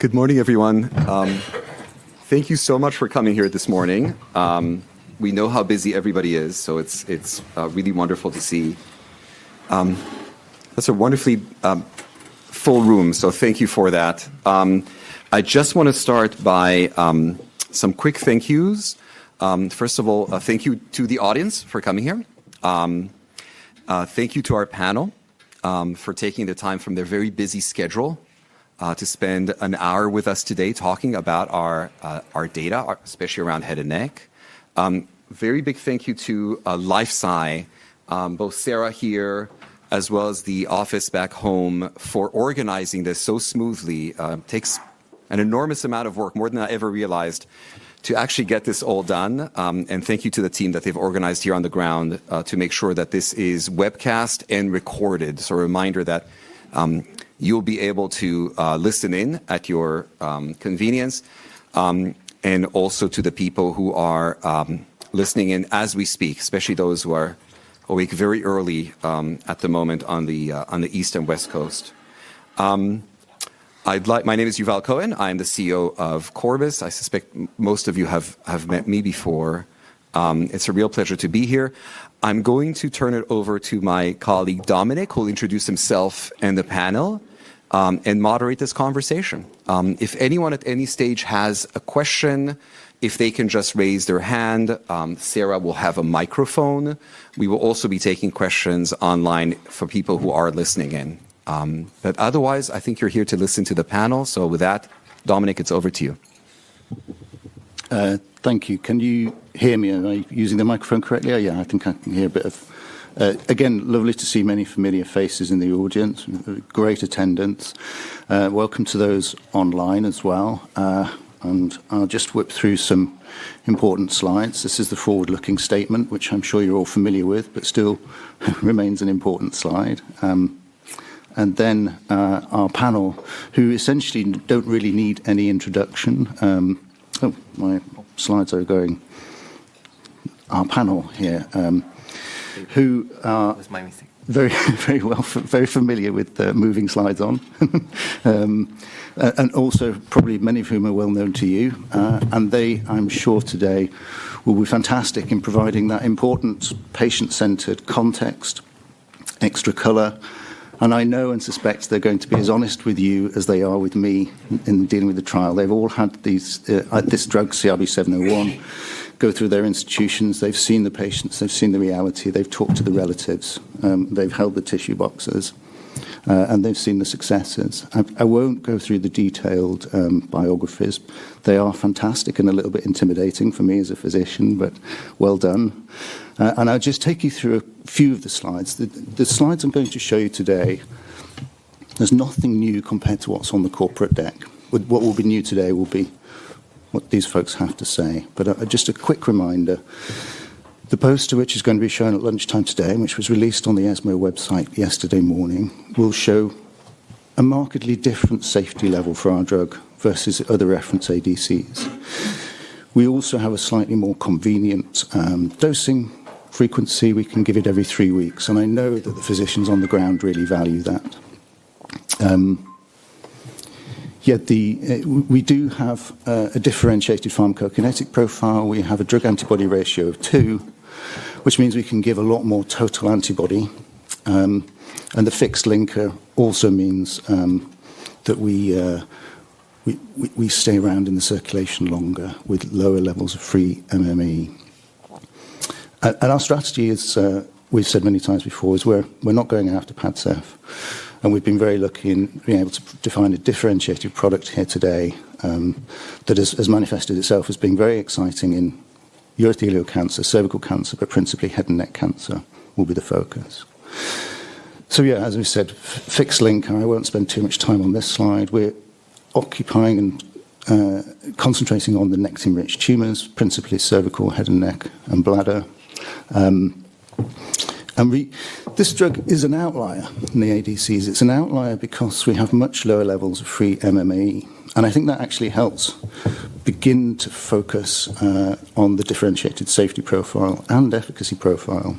Good morning, everyone. Thank you so much for coming here this morning. We know how busy everybody is, so it's really wonderful to see. That's a wonderfully full room, so thank you for that. I just want to start by some quick thank yous. First of all, thank you to the audience for coming here. Thank you to our panel for taking the time from their very busy schedule to spend an hour with us today talking about our data, especially around head and neck. Very big thank you to LifeSci, both Sarah here as well as the office back home for organizing this so smoothly. It takes an enormous amount of work, more than I ever realized, to actually get this all done. Thank you to the team that they've organized here on the ground to make sure that this is webcast and recorded. A reminder that you'll be able to listen in at your convenience. Also to the people who are listening in as we speak, especially those who are awake very early at the moment on the East and West Coast. My name is Yuval Cohen. I am the CEO of Corbus. I suspect most of you have met me before. It's a real pleasure to be here. I'm going to turn it over to my colleague Dominic, who will introduce himself and the panel and moderate this conversation. If anyone at any stage has a question, if they can just raise their hand, Sarah will have a microphone. We will also be taking questions online for people who are listening in. I think you're here to listen to the panel. With that, Dominic, it's over to you. Thank you. Can you hear me? Am I using the microphone correctly? Yeah, I think I can hear a bit of—again, lovely to see many familiar faces in the audience. Great attendance. Welcome to those online as well. I'll just whip through some important slides. This is the forward-looking statement, which I'm sure you're all familiar with, but still remains an important slide. Our panel, who essentially don't really need any introduction—oh, my slides are going—our panel here, who are very familiar with the moving slides on, and also probably many of whom are well known to you. They, I'm sure, today will be fantastic in providing that important patient-centered context, extra color. I know and suspect they're going to be as honest with you as they are with me in dealing with the trial. They've all had this drug, CRB-701, go through their institutions. They've seen the patients. They've seen the reality. They've talked to the relatives. They've held the tissue boxes. They've seen the successes. I won't go through the detailed biographies. They are fantastic and a little bit intimidating for me as a physician, but well done. I'll just take you through a few of the slides. The slides I'm going to show you today, there's nothing new compared to what's on the corporate deck. What will be new today will be what these folks have to say. Just a quick reminder, the poster, which is going to be shown at lunchtime today, which was released on the ESMO website yesterday morning, will show a markedly different safety level for our drug versus other reference ADCs. We also have a slightly more convenient dosing frequency. We can give it every three weeks. I know that the physicians on the ground really value that. Yet we do have a differentiated pharmacokinetic profile. We have a drug antibody ratio of two, which means we can give a lot more total antibody. The fixed linker also means that we stay around in the circulation longer with lower levels of free MME. Our strategy, as we've said many times before, is we're not going after PADCEV. We've been very lucky in being able to define a differentiated product here today that has manifested itself as being very exciting in urothelial cancer, cervical cancer, but principally head and neck cancer will be the focus. Yeah, as we said, fixed link. I won't spend too much time on this slide. We're occupying and concentrating on the Nectin-rich tumors, principally cervical, head and neck, and bladder. This drug is an outlier in the ADCs. It's an outlier because we have much lower levels of free MME. I think that actually helps begin to focus on the differentiated safety profile and efficacy profile.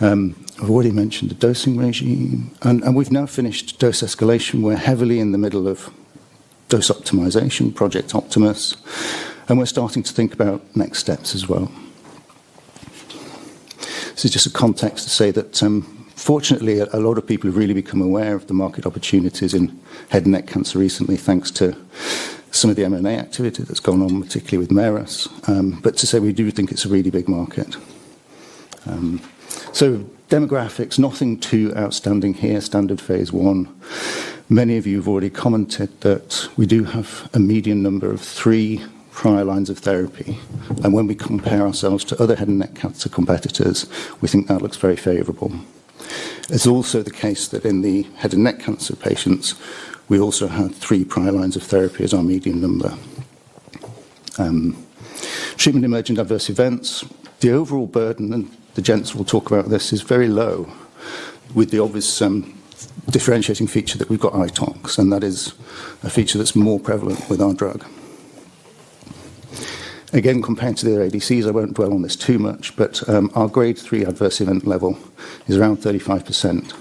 I've already mentioned the dosing regime. We've now finished dose escalation. We're heavily in the middle of dose optimization, Project Optimus, and we're starting to think about next steps as well. This is just a context to say that, fortunately, a lot of people have really become aware of the market opportunities in head and neck cancer recently, thanks to some of the MME activity that's gone on, particularly with Merus. We do think it's a really big market. Demographics, nothing too outstanding here, standard phase I. Many of you have already commented that we do have a median number of three prior lines of therapy. When we compare ourselves to other head and neck cancer competitors, we think that looks very favorable. It's also the case that in the head and neck cancer patients, we also had three prior lines of therapy as our median number. Treatment-emerging adverse events, the overall burden, and the gents will talk about this, is very low with the obvious differentiating feature that we've got [ITox]. That is a feature that's more prevalent with our drug. Compared to the ADCs, I won't dwell on this too much, but our grade 3 adverse event level is around 35%.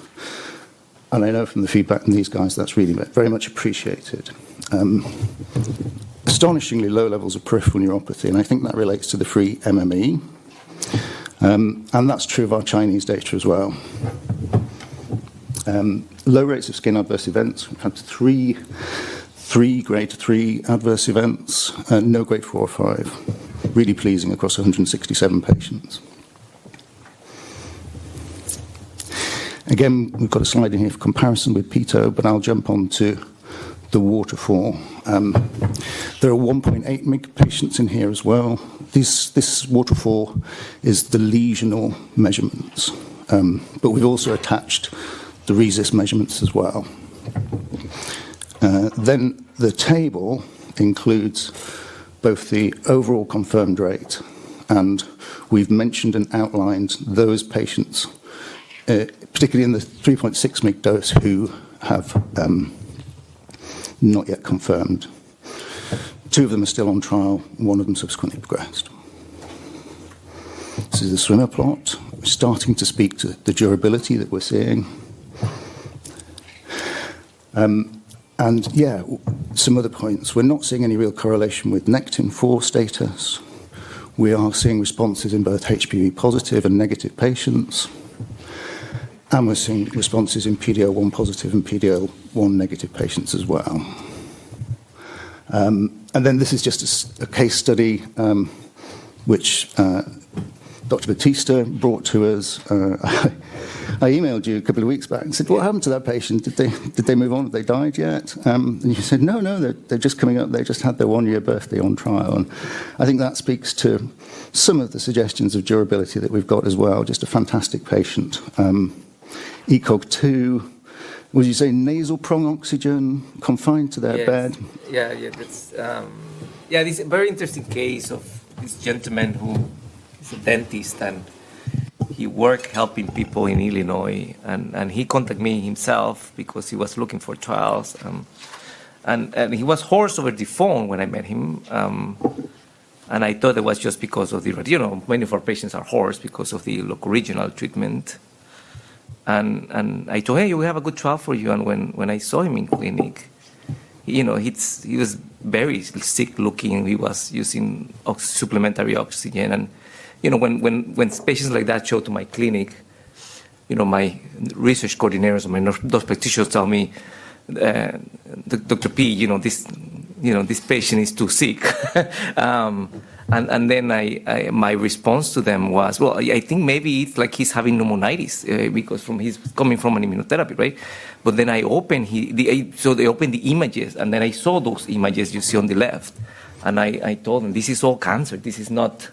I know from the feedback from these guys, that's really very much appreciated. Astonishingly low levels of peripheral neuropathy. I think that relates to the free MME, and that's true of our Chinese data as well. Low rates of skin adverse events. We've had three grade 3 adverse events, no grade 4 or grade 5. Really pleasing across 167 patients. We've got a slide in here for comparison with Tivdak, but I'll jump on to the waterfall. There are 1.8 patients in here as well. This waterfall is the lesional measurements, but we've also attached the RECIST measurements as well. The table includes both the overall confirmed rate. We've mentioned and outlined those patients, particularly in the 3.6 mg dose, who have not yet confirmed. Two of them are still on trial. One of them subsequently progressed. This is a swimmer plot. We're starting to speak to the durability that we're seeing. Yeah, some other points. We're not seeing any real correlation with Nectin-4 status. We are seeing responses in both HPV-positive and HPV-negative patients. We're seeing responses in PD-L1 positive and PD-L1 negative patients as well. This is just a case study which Dr. Batista brought to us. I emailed you a couple of weeks back and said, what happened to that patient? Did they move on? Have they died yet? You said, no, no, they're just coming up. They just had their one-year birthday on trial. I think that speaks to some of the suggestions of durability that we've got as well. Just a fantastic patient. ECOG 2. Would you say nasal prong oxygen confined to their bed? Yeah, this is a very interesting case of this gentleman who is a dentist. He works helping people in Illinois. He contacted me himself because he was looking for trials. He was hoarse over the phone when I met him. I thought it was just because of the, you know, many of our patients are hoarse because of the local regional treatment. I told him, hey, we have a good trial for you. When I saw him in clinic, he was very sick looking. He was using supplementary oxygen. When patients like that show to my clinic, my research coordinators and my nurse practitioners tell me, Dr. P, this patient is too sick. My response to them was, I think maybe it's like he's having pneumonitis because he's coming from an immunotherapy, right? They opened the images. I saw those images you see on the left. I told them, this is all cancer. This is not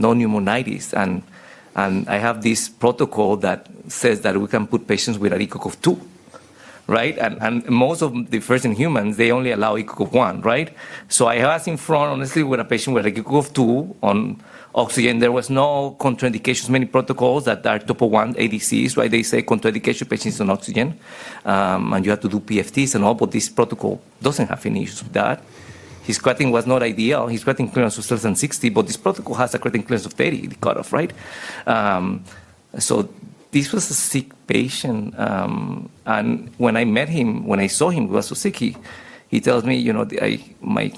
pneumonitis. I have this protocol that says that we can put patients with an ECOG of 2, right? Most of the first in humans only allow ECOG of 1, right? I have asked in front, honestly, with a patient with an ECOG of 2 on oxygen, there were no contraindications. Many protocols that are top of 1 ADCs, right? They say contraindication patients on oxygen. You have to do PFTs and all. This protocol doesn't have any issues with that. His creatinine was not ideal. His creatinine clearance was less than 60. This protocol has a creatinine clearance of 30, the cutoff, right? This was a sick patient. When I met him, when I saw him, he was so sick. He tells me, you know, my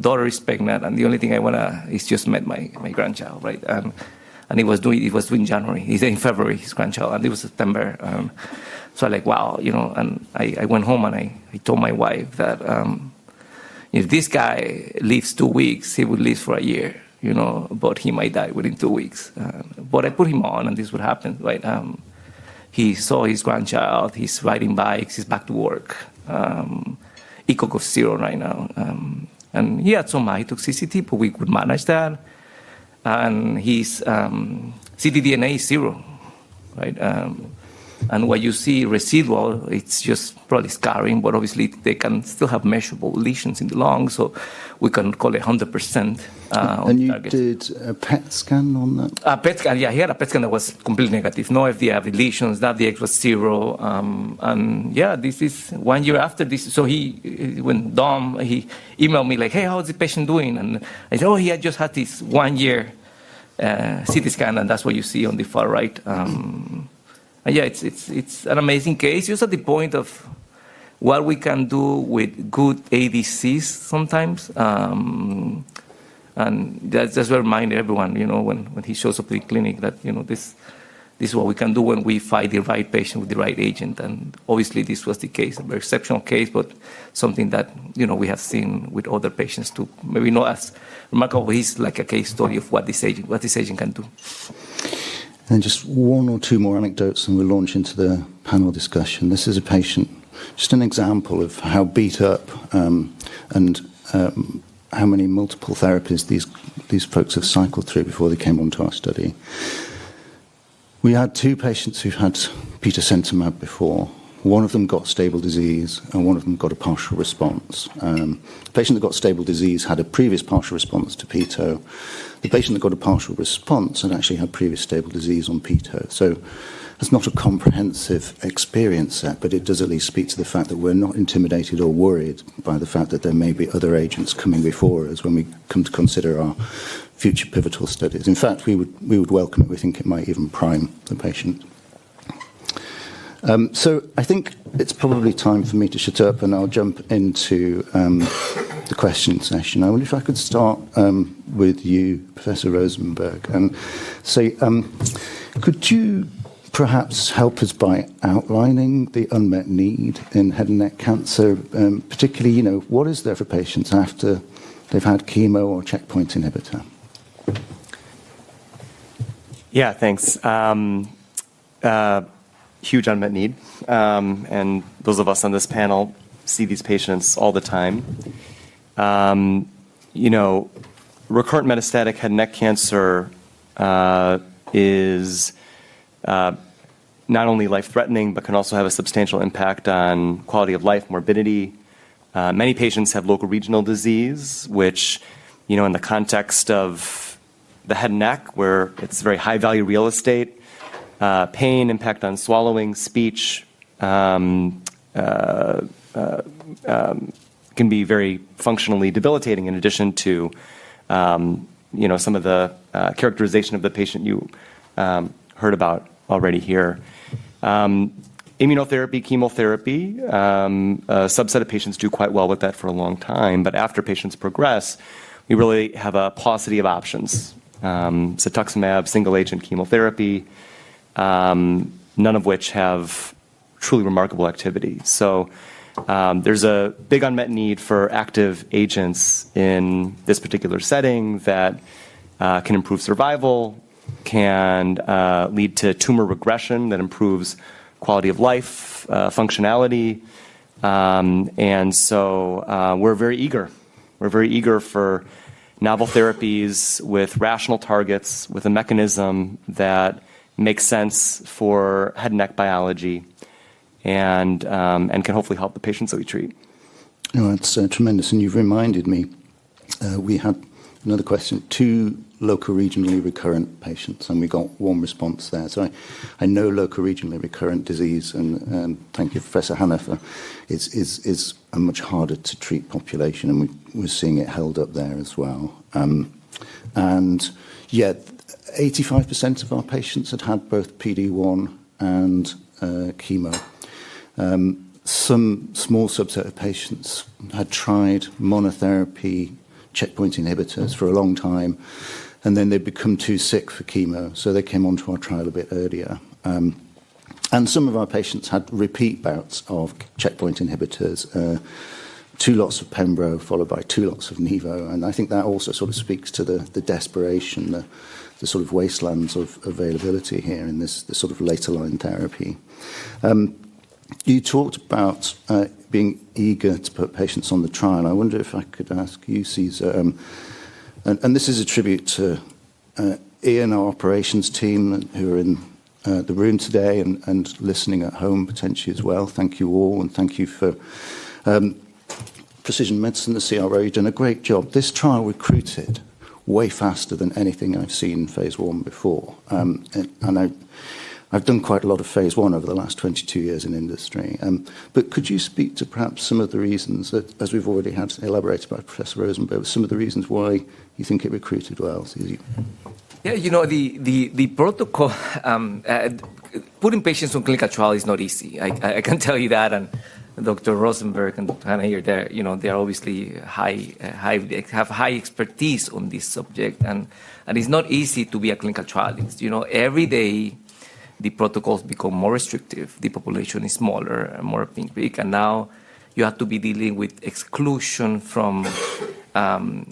daughter is pregnant. The only thing I want to do is just meet my grandchild, right? He was due in January. He's in February, his grandchild. It was September. I'm like, wow. I went home and I told my wife that if this guy lives two weeks, he would live for a year, you know, but he might die within two weeks. I put him on and this would happen, right? He saw his grandchild. He's riding bikes. He's back to work. ECOG of 0 right now. He had some high toxicity, but we could manage that. His ctDNA is 0, right? What you see residual, it's just probably scarring. Obviously, they can still have measurable lesions in the lungs. We can call it 100%. Did you do a PET scan on that? A PET scan, yeah. He had a PET scan that was completely negative. No FDG lesions. DAPT was 0. This is one year after this. He emailed me like, hey, how is this patient doing? I said, oh, he had just had this one-year CT scan. That's what you see on the far right. It's an amazing case, just at the point of what we can do with good ADCs sometimes. Just remind everyone, when he shows up in the clinic, that this is what we can do when we find the right patient with the right agent. Obviously, this was the case. A very exceptional case, but something that we have seen with other patients too. Maybe not as remarkable, but he's like a case study of what this agent can do. Just one or two more anecdotes, and we'll launch into the panel discussion. This is a patient, just an example of how beat up and how many multiple therapies these folks have cycled through before they came onto our study. We had two patients who've had tisotumab before. One of them got stable disease, and one of them got a partial response. The patient that got stable disease had a previous partial response to [tiso]. The patient that got a partial response had actually had previous stable disease on [tiso] That's not a comprehensive experience set, but it does at least speak to the fact that we're not intimidated or worried by the fact that there may be other agents coming before us when we come to consider our future pivotal studies. In fact, we would welcome it. We think it might even prime the patient. I think it's probably time for me to shut up, and I'll jump into the question session. I wonder if I could start with you, Professor Rosenberg, and say, could you perhaps help us by outlining the unmet need in head and neck cancer, particularly, you know, what is there for patients after they've had chemo or checkpoint inhibitor? Yeah, thanks. Huge unmet need. Those of us on this panel see these patients all the time. Recurrent metastatic head and neck cancer is not only life-threatening, but can also have a substantial impact on quality of life, morbidity. Many patients have local regional disease, which, in the context of the head and neck, where it's very high-value real estate, pain, impact on swallowing, speech can be very functionally debilitating in addition to some of the characterization of the patient you heard about already here. Immunotherapy, chemotherapy, a subset of patients do quite well with that for a long time. After patients progress, we really have a paucity of options. Cetuximab, single-agent chemotherapy, none of which have truly remarkable activity. There is a big unmet need for active agents in this particular setting that can improve survival, can lead to tumor regression that improves quality of life, functionality. We are very eager for novel therapies with rational targets, with a mechanism that makes sense for head and neck biology and can hopefully help the patients that we treat. No, that's tremendous. You've reminded me, we had another question. Two local regionally recurrent patients, and we got one response there. I know local regionally recurrent disease, and thank you, Professor [Rosenberg], is a much harder-to-treat population. We're seeing it held up there as well. Yet, 85% of our patients had had both PD-1 and chemo. Some small subset of patients had tried monotherapy checkpoint inhibitors for a long time, and then they'd become too sick for chemo. They came onto our trial a bit earlier. Some of our patients had repeat bouts of checkpoint inhibitors, two lots of pembro followed by two lots of nivo. I think that also sort of speaks to the desperation, the sort of wastelands of availability here in this sort of later line therapy. You talked about being eager to put patients on the trial. I wonder if I could ask you, Cesar, and this is a tribute to Ian, our operations team, who are in the room today and listening at home potentially as well. Thank you all. Thank you for Precision Medicine, the CRA, doing a great job. This trial recruited way faster than anything I've seen in phase I before. I've done quite a lot of phase I over the last 22 years in industry. Could you speak to perhaps some of the reasons that, as we've already had elaborated by Professor Rosenberg, some of the reasons why you think it recruited well? Yeah, you know, the protocol, putting patients on clinical trial is not easy. I can tell you that. Dr. Rosenberg and Dr. Hanna are there. They obviously have high expertise on this subject. It's not easy to be a clinical trialist. Every day, the protocols become more restrictive. The population is smaller, more picked. Now you have to be dealing with exclusion from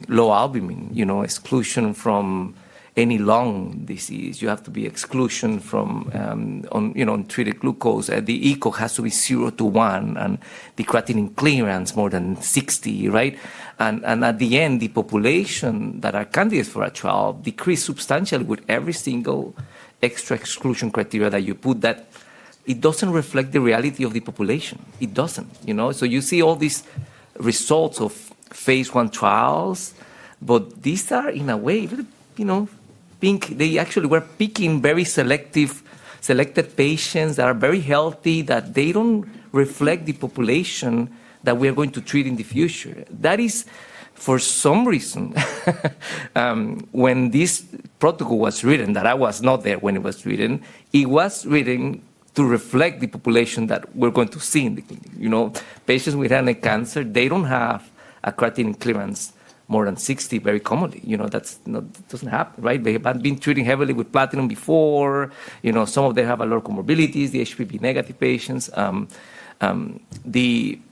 low albumin, exclusion from any lung disease. You have to be exclusion from untreated glucose. The ECOG has to be 0-1, and the creatinine clearance is more than 60, right? At the end, the population that are candidates for a trial decrease substantially with every single extra exclusion criteria that you put. It doesn't reflect the reality of the population. It doesn't, you know. You see all these results of phase I trials, but these are, in a way, picked. They actually were picking very selected patients that are very healthy, that they don't reflect the population that we are going to treat in the future. That is, for some reason, when this protocol was written, that I was not there when it was written, it was written to reflect the population that we're going to see in the clinic. Patients with head and neck cancer, they don't have a creatinine clearance more than 60 very commonly. That doesn't happen, right? They have been treated heavily with platinum before. Some of them have a lot of comorbidities, the HPV-negative patients. Some of them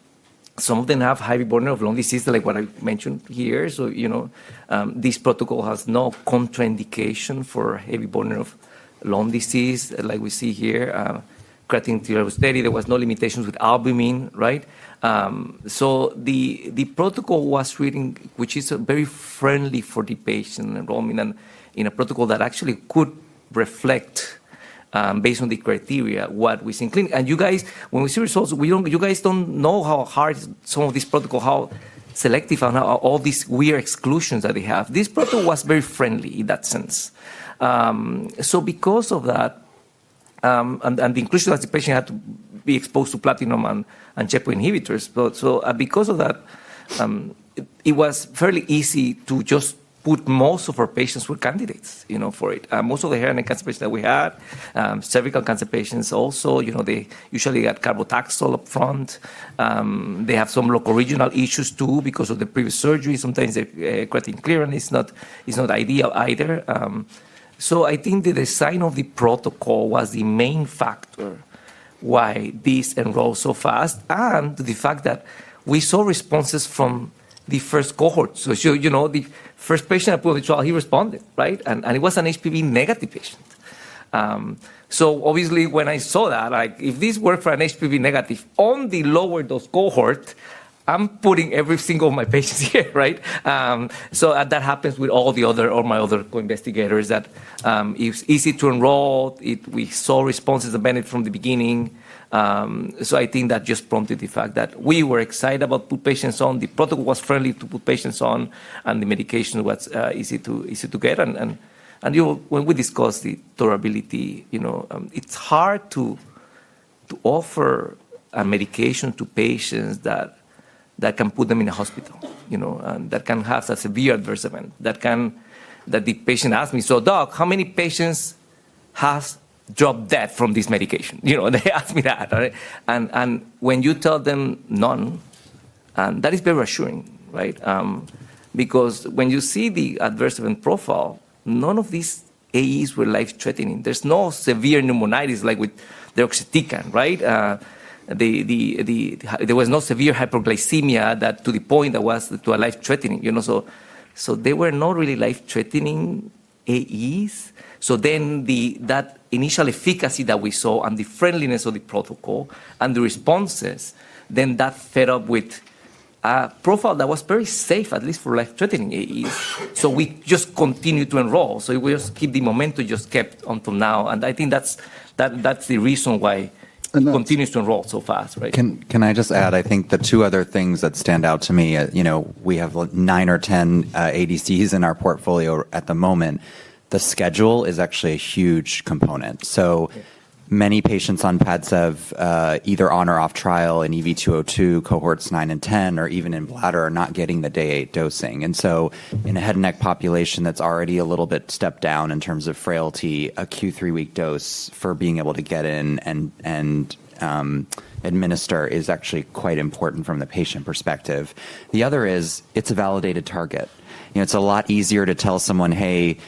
have heavy burden of lung disease, like what I mentioned here. This protocol has no contraindication for heavy burden of lung disease, like we see here. Creatinine clearance was steady. There were no limitations with albumin, right? The protocol was written, which is very friendly for the patient enrollment, and in a protocol that actually could reflect, based on the criteria, what we see in clinic. You guys, when we see results, you guys don't know how hard some of these protocols, how selective and all these weird exclusions that they have. This protocol was very friendly in that sense. Because of that, and the inclusion that the patient had to be exposed to platinum and checkpoint inhibitors, it was fairly easy to just put most of our patients who were candidates for it. Most of the head and neck cancer patients that we had, cervical cancer patients also, they usually got carbo taxol up front. They have some local regional issues too, because of the previous surgery. Sometimes the creatinine clearance is not ideal either. I think the design of the protocol was the main factor why this enrolled so fast, and the fact that we saw responses from the first cohort. The first patient I put on the trial, he responded, right? It was an HPV-negative patient. Obviously, when I saw that, like if this worked for an HPV-negative on the lower dose cohort, I'm putting every single one of my patients here, right? That happens with all my other co-investigators, that it's easy to enroll. We saw responses and benefits from the beginning. I think that just prompted the fact that we were excited about putting patients on. The protocol was friendly to put patients on, and the medication was easy to get. When we discussed the durability, it's hard to offer a medication to patients that can put them in a hospital, you know, and that can have a severe adverse event. The patient asked me, so doc, how many patients have dropped dead from this medication? They ask me that. When you tell them none, that is very reassuring, right? When you see the adverse event profile, none of these AEs were life-threatening. There's no severe pneumonitis like with Deroxetican, right? There was no severe hyperglycemia to the point that was life-threatening, you know. They were not really life-threatening AEs. That initial efficacy that we saw and the friendliness of the protocol and the responses, that fed up with a profile that was very safe, at least for life-threatening AEs. We just continued to enroll. The momentum just kept until now. I think that's the reason why it continues to enroll so fast, right? Can I just add, I think the two other things that stand out to me, we have nine or ten ADCs in our portfolio at the moment. The schedule is actually a huge component. Many patients on PADCEV, either on or off trial in EV-202 cohorts nine and ten, or even in bladder, are not getting the day eight dosing. In a head and neck population that's already a little bit stepped down in terms of frailty, a Q3 week dose for being able to get in and administer is actually quite important from the patient perspective. The other is it's a validated target. It's a lot easier to tell someone, hey,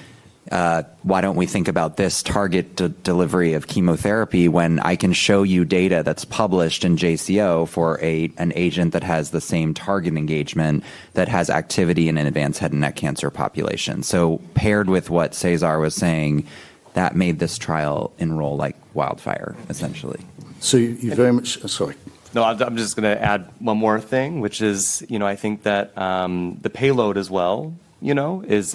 why don't we think about this target delivery of chemotherapy when I can show you data that's published in JCO for an agent that has the same target engagement that has activity in an advanced head and neck cancer population. Paired with what Cesar was saying, that made this trial enroll like wildfire, essentially. Thank you very much, sorry. I'm just going to add one more thing, which is, you know, I think that the payload as well, you know, is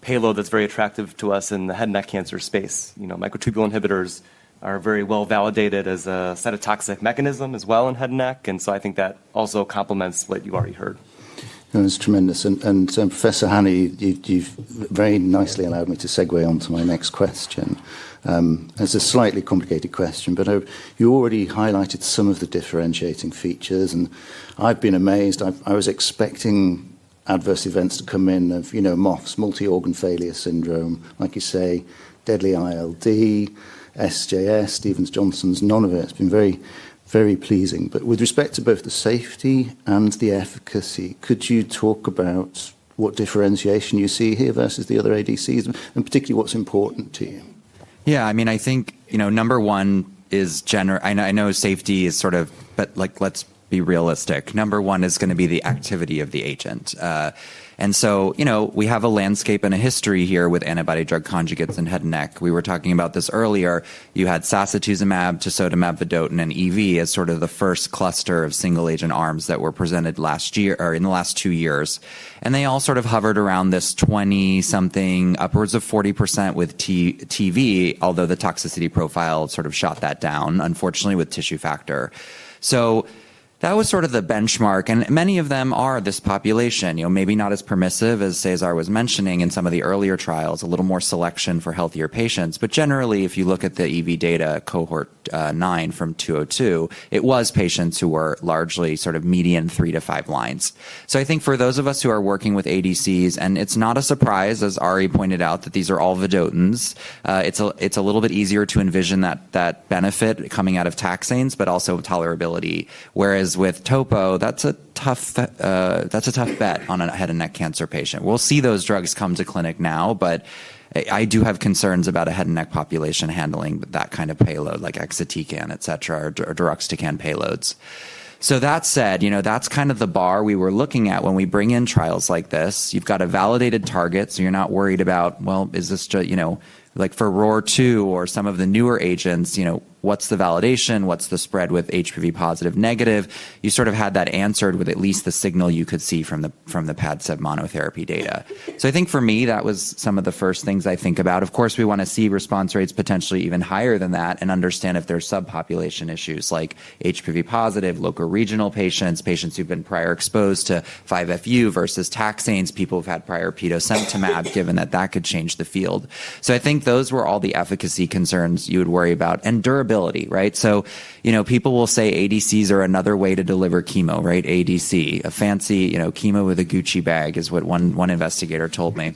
a payload that's very attractive to us in the head and neck cancer space. You know, microtubule inhibitors are very well validated as a cytotoxic mechanism as well in head and neck. I think that also complements what you already heard. That's tremendous. Professor Hani, you've very nicely allowed me to segue on to my next question. It's a slightly complicated question, but you already highlighted some of the differentiating features. I've been amazed. I was expecting adverse events to come in of, you know, MOFs, multi-organ failure syndrome, like you say, deadly ILD, SJS, Stevens-Johnson's, none of it has been, very, very pleasing. With respect to both the safety and the efficacy, could you talk about what differentiation you see here versus the other ADCs and particularly what's important to you? Yeah, I mean, I think, you know, number one is general, I know safety is sort of, but like let's be realistic. Number one is going to be the activity of the agent. You know, we have a landscape and a history here with antibody-drug conjugates in head and neck. We were talking about this earlier. You had sacituzumab, tisotumab vedotin, and enfortumab vedotin as sort of the first cluster of single-agent arms that were presented last year or in the last two years. They all sort of hovered around this 20-something, upwards of 40% with tisotumab vedotin, although the toxicity profile sort of shot that down, unfortunately, with tissue factor. That was sort of the benchmark. Many of them are this population, you know, maybe not as permissive as Cesar was mentioning in some of the earlier trials, a little more selection for healthier patients. Generally, if you look at the enfortumab vedotin data cohort nine from 202, it was patients who were largely sort of median three to five lines. I think for those of us who are working with ADCs, and it's not a surprise, as Ari pointed out, that these are all vedotins. It's a little bit easier to envision that benefit coming out of taxanes, but also tolerability. Whereas with topo, that's a tough bet on a head and neck cancer patient. We'll see those drugs come to clinic now, but I do have concerns about a head and neck population handling that kind of payload, like exatecan, et cetera, or deruxtecan payloads. That said, you know, that's kind of the bar we were looking at when we bring in trials like this. You've got a validated target. You're not worried about, well, is this just, you know, like for ROAR 2 or some of the newer agents, you know, what's the validation? What's the spread with HPV-positive, negative? You sort of had that answered with at least the signal you could see from the PADCEV monotherapy data. I think for me, that was some of the first things I think about. Of course, we want to see response rates potentially even higher than that and understand if there are subpopulation issues like HPV-positive, locoregional patients, patients who've been prior exposed to 5-FU versus taxanes, people who've had prior patritumab, given that that could change the field. I think those were all the efficacy concerns you would worry about and durability, right? People will say ADCs are another way to deliver chemo, right? ADC, a fancy, you know, chemo with a Gucci bag is what one investigator told me.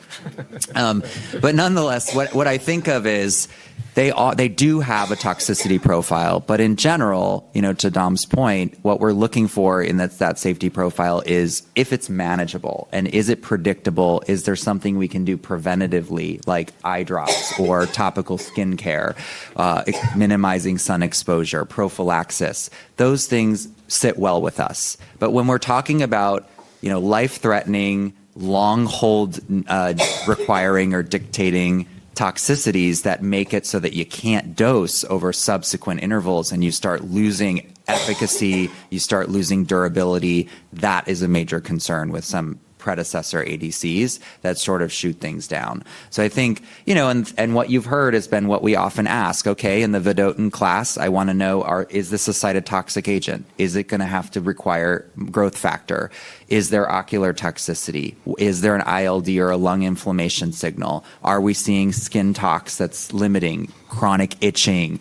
Nonetheless, what I think of is they do have a toxicity profile. In general, to Dom's point, what we're looking for in that safety profile is if it's manageable and is it predictable. Is there something we can do preventatively, like eye drops or topical skin care, minimizing sun exposure, prophylaxis? Those things sit well with us. When we're talking about life-threatening, long-hold requiring or dictating toxicities that make it so that you can't dose over subsequent intervals and you start losing efficacy, you start losing durability, that is a major concern with some predecessor ADCs that sort of shoot things down. I think, and what you've heard has been what we often ask, okay, in the vedotin class, I want to know, is this a cytotoxic agent? Is it going to have to require growth factor? Is there ocular toxicity? Is there an ILD or a lung inflammation signal? Are we seeing skin tox that's limiting chronic itching,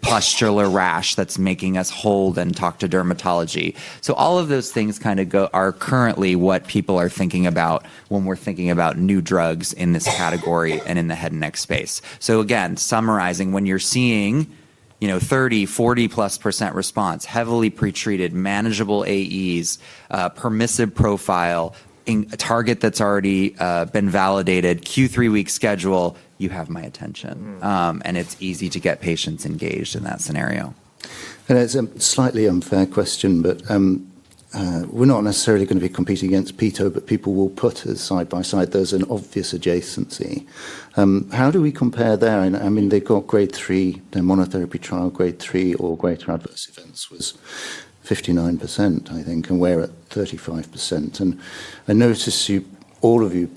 pustular rash that's making us hold and talk to dermatology? All of those things are currently what people are thinking about when we're thinking about new drugs in this category and in the head and neck space. Summarizing, when you're seeing 30%, 40+% response, heavily pretreated, manageable AEs, permissive profile, a target that's already been validated, Q3 week schedule, you have my attention. It's easy to get patients engaged in that scenario. It's a slightly unfair question, but we're not necessarily going to be competing against Tivdak, but people will put us side by side. There's an obvious adjacency. How do we compare there? I mean, they've got grade 3, their monotherapy trial, grade 3 or greater adverse events was 59%, I think, and we're at 35%. I noticed all of you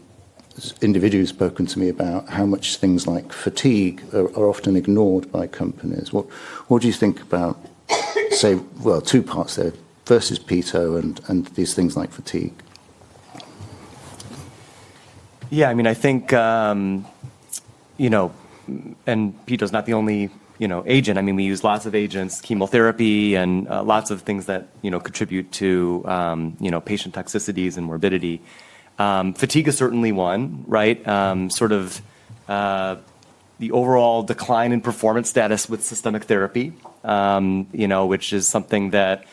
individually have spoken to me about how much things like fatigue are often ignored by companies. What do you think about, say, two parts there versus Tivdak and these things like fatigue? Yeah, I mean, I think, you know, and Tivdak is not the only agent. I mean, we use lots of agents, chemotherapy, and lots of things that contribute to patient toxicities and morbidity. Fatigue is certainly one, right? Sort of the overall decline in performance status with systemic therapy, which is something that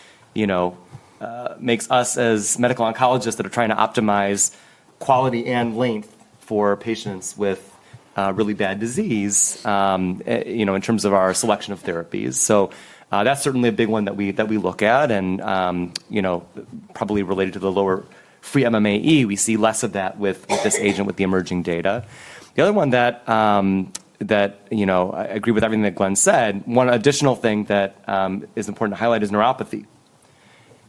makes us as medical oncologists that are trying to optimize quality and length for patients with really bad disease, in terms of our selection of therapies. That's certainly a big one that we look at. Probably related to the lower free MMAE, we see less of that with this agent with the emerging data. The other one that, I agree with everything that Glenn said, one additional thing that is important to highlight is neuropathy.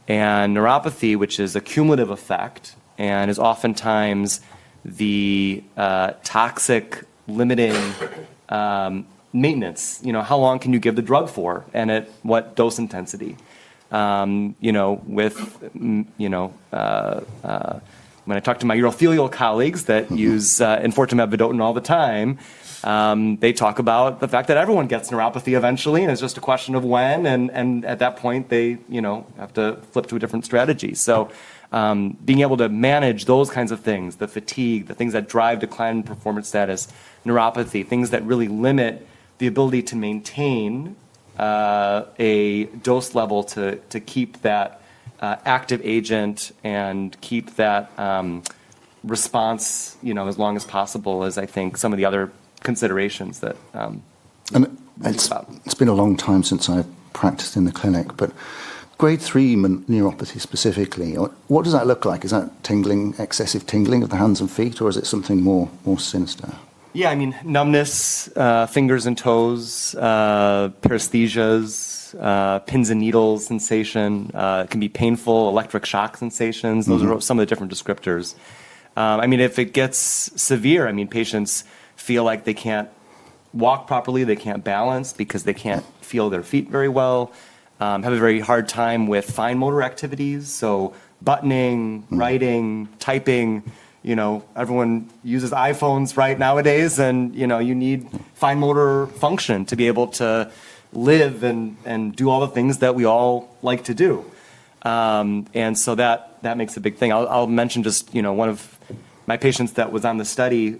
Neuropathy, which is a cumulative effect, and is oftentimes the toxic limiting maintenance. How long can you give the drug for? At what dose intensity? When I talk to my urothelial colleagues that use enfortumab vedotin all the time, they talk about the fact that everyone gets neuropathy eventually, and it's just a question of when. At that point, they have to flip to a different strategy. Being able to manage those kinds of things, the fatigue, the things that drive decline in performance status, neuropathy, things that really limit the ability to maintain a dose level to keep that active agent and keep that response as long as possible is, I think, some of the other considerations that. It's been a long time since I've practiced in the clinic, but grade 3 neuropathy specifically, what does that look like? Is that excessive tingling of the hands and feet, or is it something more sinister? Yeah, I mean, numbness, fingers and toes, paresthesias, pins and needles sensation. It can be painful, electric shock sensations. Those are some of the different descriptors. If it gets severe, patients feel like they can't walk properly, they can't balance because they can't feel their feet very well, have a very hard time with fine motor activities. Buttoning, writing, typing, you know, everyone uses iPhones right nowadays, and you know, you need fine motor function to be able to live and do all the things that we all like to do. That makes a big thing. I'll mention just one of my patients that was on the study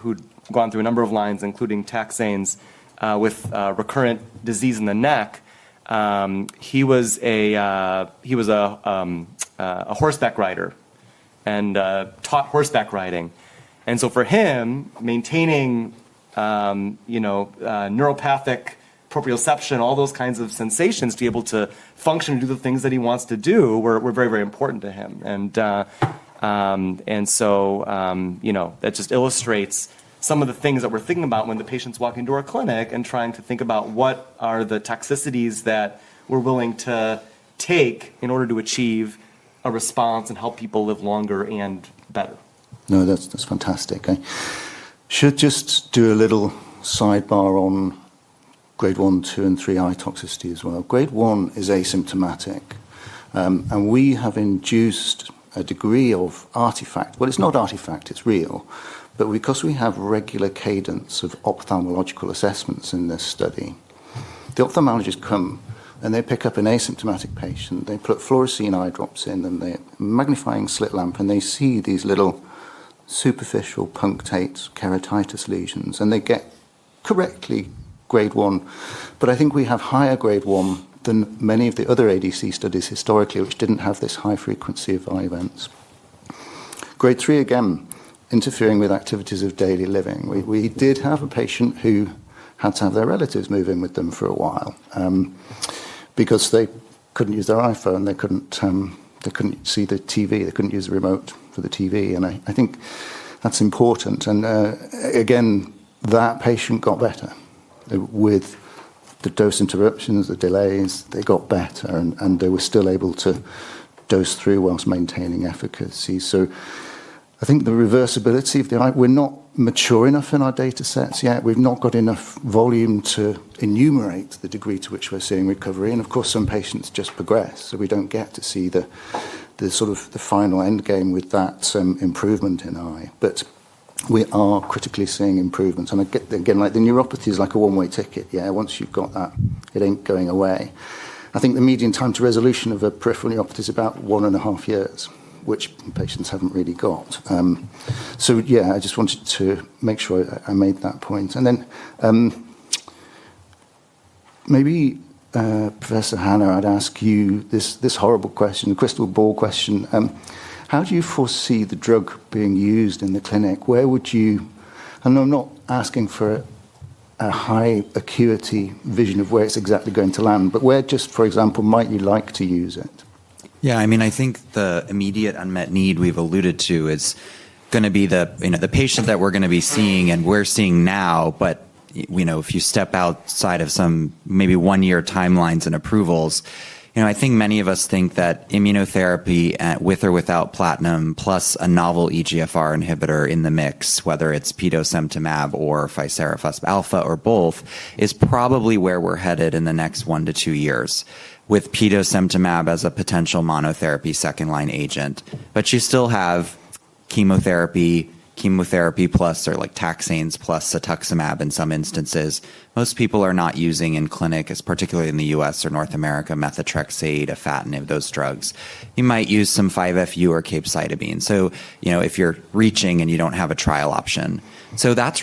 who'd gone through a number of lines, including taxanes, with recurrent disease in the neck. He was a horseback rider and taught horseback riding. For him, maintaining neuropathic proprioception, all those kinds of sensations to be able to function and do the things that he wants to do were very, very important to him. That just illustrates some of the things that we're thinking about when the patient's walking into our clinic and trying to think about what are the toxicities that we're willing to take in order to achieve a response and help people live longer and better. No, that's fantastic. I should just do a little sidebar on grade one, two, and three eye toxicity as well. Grade 1 is asymptomatic. We have induced a degree of artifact. It's not artifact. It's real. Because we have regular cadence of ophthalmological assessments in this study, the ophthalmologists come and they pick up an asymptomatic patient. They put fluorescein eye drops in them and they have a magnifying slit lamp and they see these little superficial punctate keratitis lesions. They get correctly grade one. I think we have higher grade 1 than many of the other ADC studies historically, which didn't have this high frequency of eye events. Grade 3, again, interfering with activities of daily living. We did have a patient who had to have their relatives move in with them for a while because they couldn't use their iPhone. They couldn't see the TV. They couldn't use the remote for the TV. I think that's important. That patient got better. With the dose interruptions, the delays, they got better. They were still able to dose through whilst maintaining efficacy. I think the reversibility of the eye, we're not mature enough in our data sets yet. We've not got enough volume to enumerate the degree to which we're seeing recovery. Of course, some patients just progress. We don't get to see the sort of the final end game with that improvement in eye. We are critically seeing improvements. The neuropathy is like a one-way ticket. Once you've got that, it ain't going away. I think the median time to resolution of a peripheral neuropathy is about one and a half years, which patients haven't really got. I just wanted to make sure I made that point. Maybe Professor Hanna, I'd ask you this horrible question, the crystal ball question. How do you foresee the drug being used in the clinic? Where would you, and I'm not asking for a high acuity vision of where it's exactly going to land, but where just, for example, might you like to use it? Yeah, I mean, I think the immediate unmet need we've alluded to is going to be the patient that we're going to be seeing and we're seeing now. If you step outside of some maybe one-year timelines and approvals, I think many of us think that immunotherapy with or without platinum, plus a novel EGFR inhibitor in the mix, whether it's pedosentimab or ficerafusp alfa or both, is probably where we're headed in the next one to two years with pedosentimab as a potential monotherapy second-line agent. You still have chemotherapy, chemotherapy plus, or like taxanes plus cetuximab in some instances. Most people are not using in clinic, particularly in the U.S. or North America, methotrexate, afatinib, and those drugs. You might use some 5-FU or capecitabine if you're reaching and you don't have a trial option. That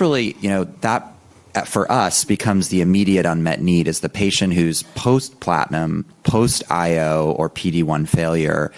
for us becomes the immediate unmet need, the patient who's post-platinum, post-IO, or PD-1 failure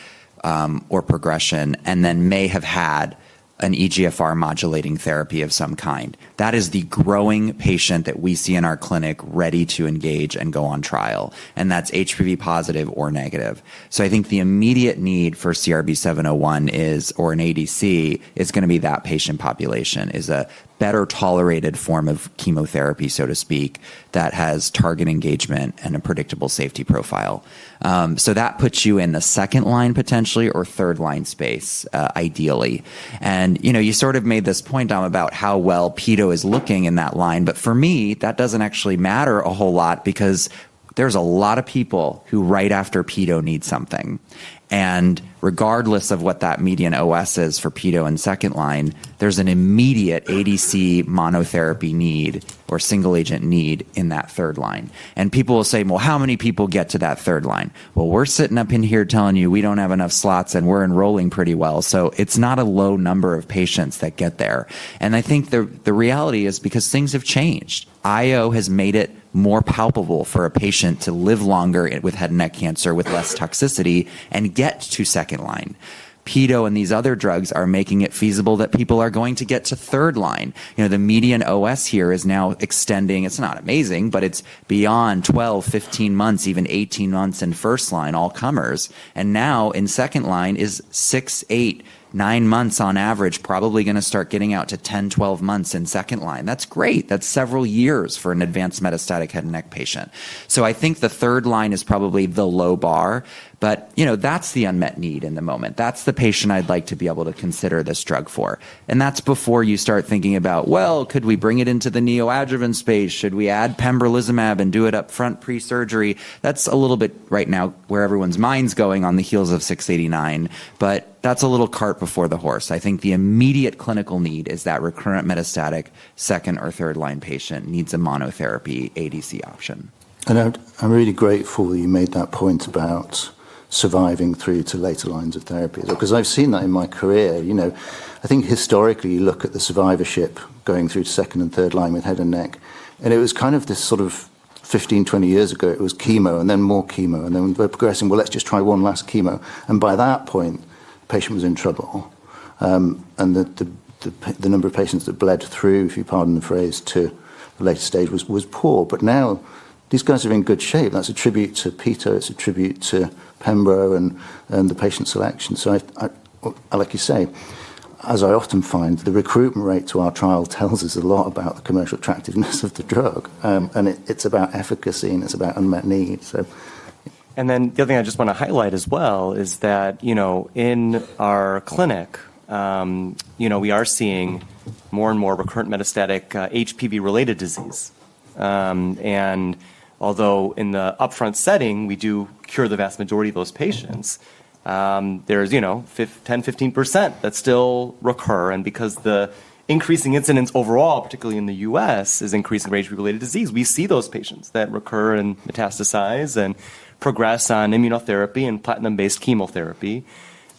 or progression, and then may have had an EGFR modulating therapy of some kind. That is the growing patient that we see in our clinic ready to engage and go on trial, and that's HPV positive or negative. I think the immediate need for CRB-701 is, or an ADC, is going to be that patient population, as a better tolerated form of chemotherapy, so to speak, that has target engagement and a predictable safety profile. That puts you in the second line, potentially, or third line space, ideally. You sort of made this point, Dom, about how well pedo is looking in that line. For me, that doesn't actually matter a whole lot because there's a lot of people who, right after pedo, need something. Regardless of what that median OS is for pedo in second line, there's an immediate ADC monotherapy need or single agent need in that third line. People will say, how many people get to that third line? We're sitting up in here telling you we don't have enough slots and we're enrolling pretty well. It's not a low number of patients that get there. I think the reality is because things have changed. IO has made it more palpable for a patient to live longer with head and neck cancer with less toxicity and get to second line. pedo and these other drugs are making it feasible that people are going to get to third line. The median OS here is now extending, it's not amazing, but it's beyond 12, 15 months, even 18 months in first line, all comers. Now in second line, it is six, eight, nine months on average, probably going to start getting out to 10 months, 12 months in second line. That's great. That's several years for an advanced metastatic head and neck patient. I think the third line is probably the low bar. You know, that's the unmet need in the moment. That's the patient I'd like to be able to consider this drug for. That's before you start thinking about, could we bring it into the neoadjuvant space? Should we add pembrolizumab and do it up front pre-surgery? That's a little bit right now where everyone's mind's going on the heels of 689. That's a little cart before the horse. I think the immediate clinical need is that recurrent metastatic second or third line patient needs a monotherapy ADC option. I'm really grateful that you made that point about surviving through to later lines of therapy. I've seen that in my career. I think historically you look at the survivorship going through to second and third line with head and neck. It was kind of this sort of 15 years, 20 years ago, it was chemo and then more chemo. Then they're progressing, let's just try one last chemo. By that point, the patient was in trouble. The number of patients that bled through, if you pardon the phrase, to the latest stage was poor. Now these guys are in good shape. That's a tribute to Tivdak. It's a tribute to pembro and the patient selection. Like you say, as I often find, the recruitment rate to our trial tells us a lot about the commercial attractiveness of the drug. It's about efficacy and it's about unmet need. The other thing I just want to highlight as well is that, in our clinic, we are seeing more and more recurrent metastatic HPV-related disease. Although in the upfront setting, we do cure the vast majority of those patients, there's 10%-15% that still recur. Because the increasing incidence overall, particularly in the U.S., is increasing for HPV-related disease, we see those patients that recur and metastasize and progress on immunotherapy and platinum-based chemotherapy.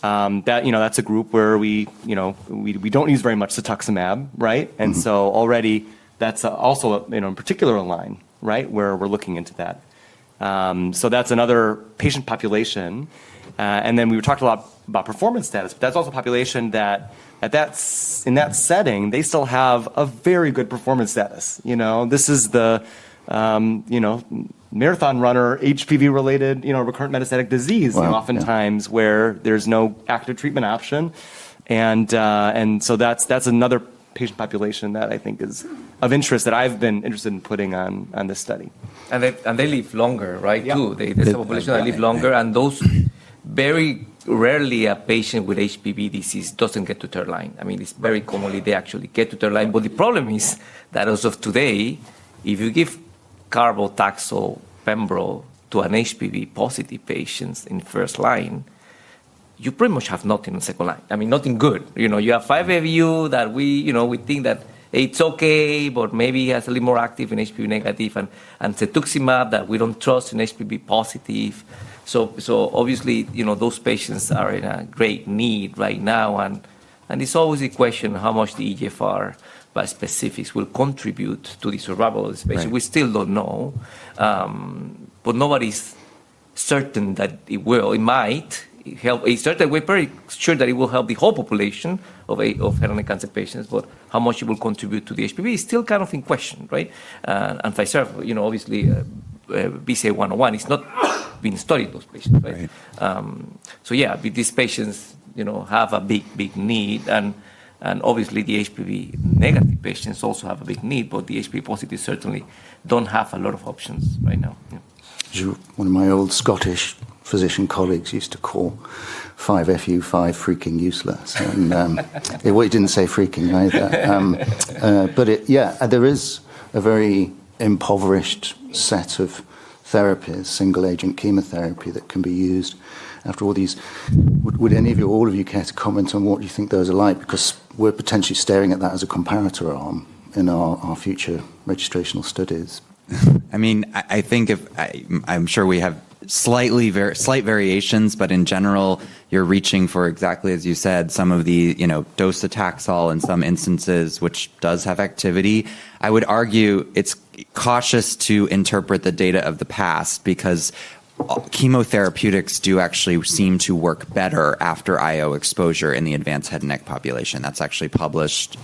That's a group where we don't use very much cetuximab, right? Already that's also a particular line, right, where we're looking into that. That's another patient population. We talked a lot about performance status, but that's also a population that in that setting, they still have a very good performance status. This is the marathon runner HPV-related recurrent metastatic disease, oftentimes where there's no active treatment option. That's another patient population that I think is of interest that I've been interested in putting on this study. They live longer, right? This population lives longer. Very rarely a patient with HPV disease doesn't get to third line. It's very common they actually get to third line. The problem is that as of today, if you givecarbo taxol, pembro to an HPV-positive patient in first line, you pretty much have nothing in second line. Nothing good. You have 5-FU that we think is okay, but maybe it's a little more active in HPV-negative, and cetuximab that we don't trust in HPV-positive. Obviously, those patients are in a great need right now. It's always a question of how much the EGFR bispecifics will contribute to the survival of this patient. We still don't know. Nobody's certain that it will. It might help. We're very sure that it will help the whole population of head and neck cancer patients, but how much it will contribute to the HPV is still kind of in question, right? ficerafusp, BCA101 is not being studied in those patients, right? These patients have a big, big need. The HPV-negative patients also have a big need, but the HPV-positives certainly don't have a lot of options right now. One of my old Scottish physician colleagues used to call 5-FU, five fucking useless. It didn't say fucking either. There is a very impoverished set of therapies, single-agent chemotherapy that can be used after all these. Would any of you, all of you care to comment on what you think those are like? We're potentially staring at that as a comparator arm in our future registrational studies. I mean, I think I'm sure we have slight variations. In general, you're reaching for exactly as you said, some of the dose of Taxol in some instances, which does have activity. I would argue it's cautious to interpret the data of the past because chemotherapeutics do actually seem to work better after IO exposure in the advanced head and neck population. That's actually published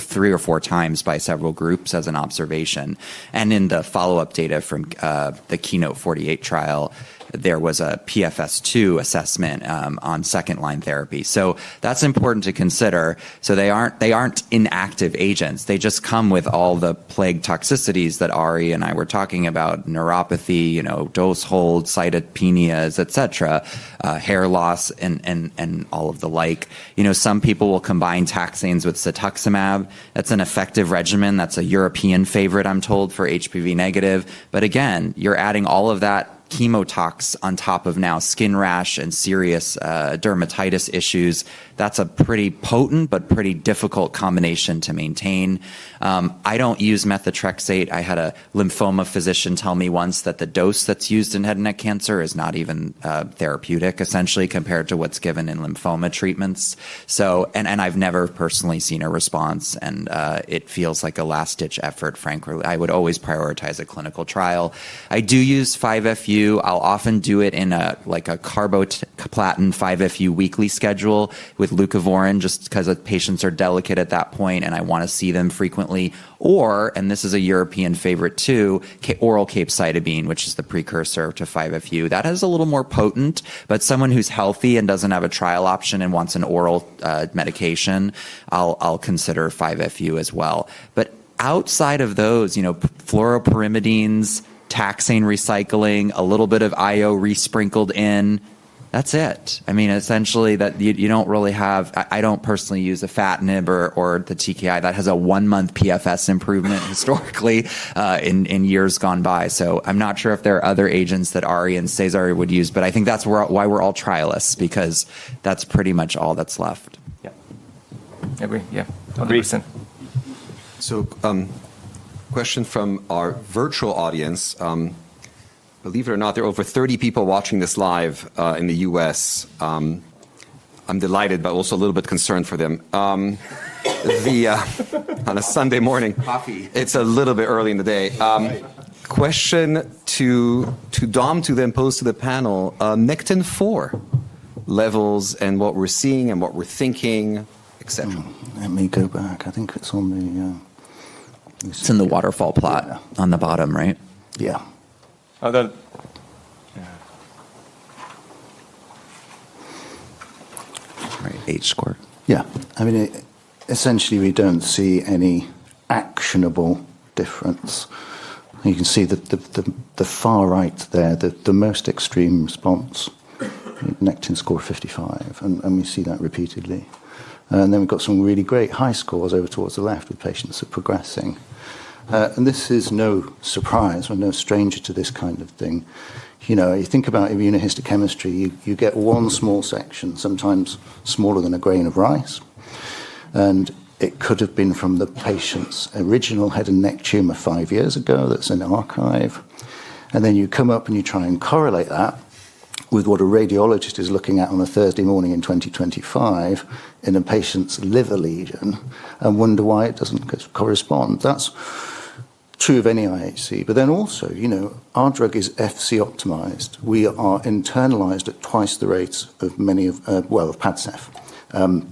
three or four times by several groups as an observation. In the follow-up data from the KEYNOTE 48 trial, there was a PFS2 assessment on second-line therapy. That's important to consider. They aren't inactive agents. They just come with all the plague toxicities that Ari and I were talking about: neuropathy, dose hold, cytopenias, hair loss, and all of the like. Some people will combine taxanes with cetuximab. That's an effective regimen. That's a European favorite, I'm told, for HPV-negative. Again, you're adding all of that chemo tox on top of now skin rash and serious dermatitis issues. That's a pretty potent but pretty difficult combination to maintain. I don't use methotrexate. I had a lymphoma physician tell me once that the dose that's used in head and neck cancer is not even therapeutic, essentially, compared to what's given in lymphoma treatments. I've never personally seen a response. It feels like a last-ditch effort, frankly. I would always prioritize a clinical trial. I do use 5-FU. I'll often do it in a carboplatin 5-FU weekly schedule with leucovorin just because patients are delicate at that point and I want to see them frequently. This is a European favorite too, oral capecitabine, which is the precursor to 5-FU. That has a little more potent. Someone who's healthy and doesn't have a trial option and wants an oral medication, I'll consider 5-FU as well. Outside of those, fluoropyrimidines, taxane recycling, a little bit of IO re-sprinkled in, that's it. Essentially, you don't really have, I don't personally use afatinib or the TKI that has a one-month PFS improvement historically in years gone by. I'm not sure if there are other agents that Ari and Cesar would use. I think that's why we're all trialists because that's pretty much all that's left. Yeah, I agree. Yeah, 100%. A question from our virtual audience. Believe it or not, there are over 30 people watching this live in the U.S. I'm delighted, but also a little bit concerned for them. On a Sunday morning, it's a little bit early in the day. Question to Dom, to them, posed to the panel, Nectin-4 levels and what we're seeing and what we're thinking, et cetera. Let me go back. I think it's on the... It's in the waterfall plot on the bottom, right? Yeah. Right. H-score. Yeah. I mean, essentially, we don't see any actionable difference. You can see that the far right there, the most extreme response, Nectin score 55. We see that repeatedly. We've got some really great high scores over towards the left with patients that are progressing. This is no surprise. We're no stranger to this kind of thing. You think about immunohistochemistry. You get one small section, sometimes smaller than a grain of rice. It could have been from the patient's original head and neck tumor five years ago that's in archive. You come up and you try and correlate that with what a radiologist is looking at on a Thursday morning in 2025 in a patient's liver lesion and wonder why it doesn't correspond. That's true of any IHC. Our drug is FC-optimized. We are internalized at twice the rates of many of, well, of PADCEV.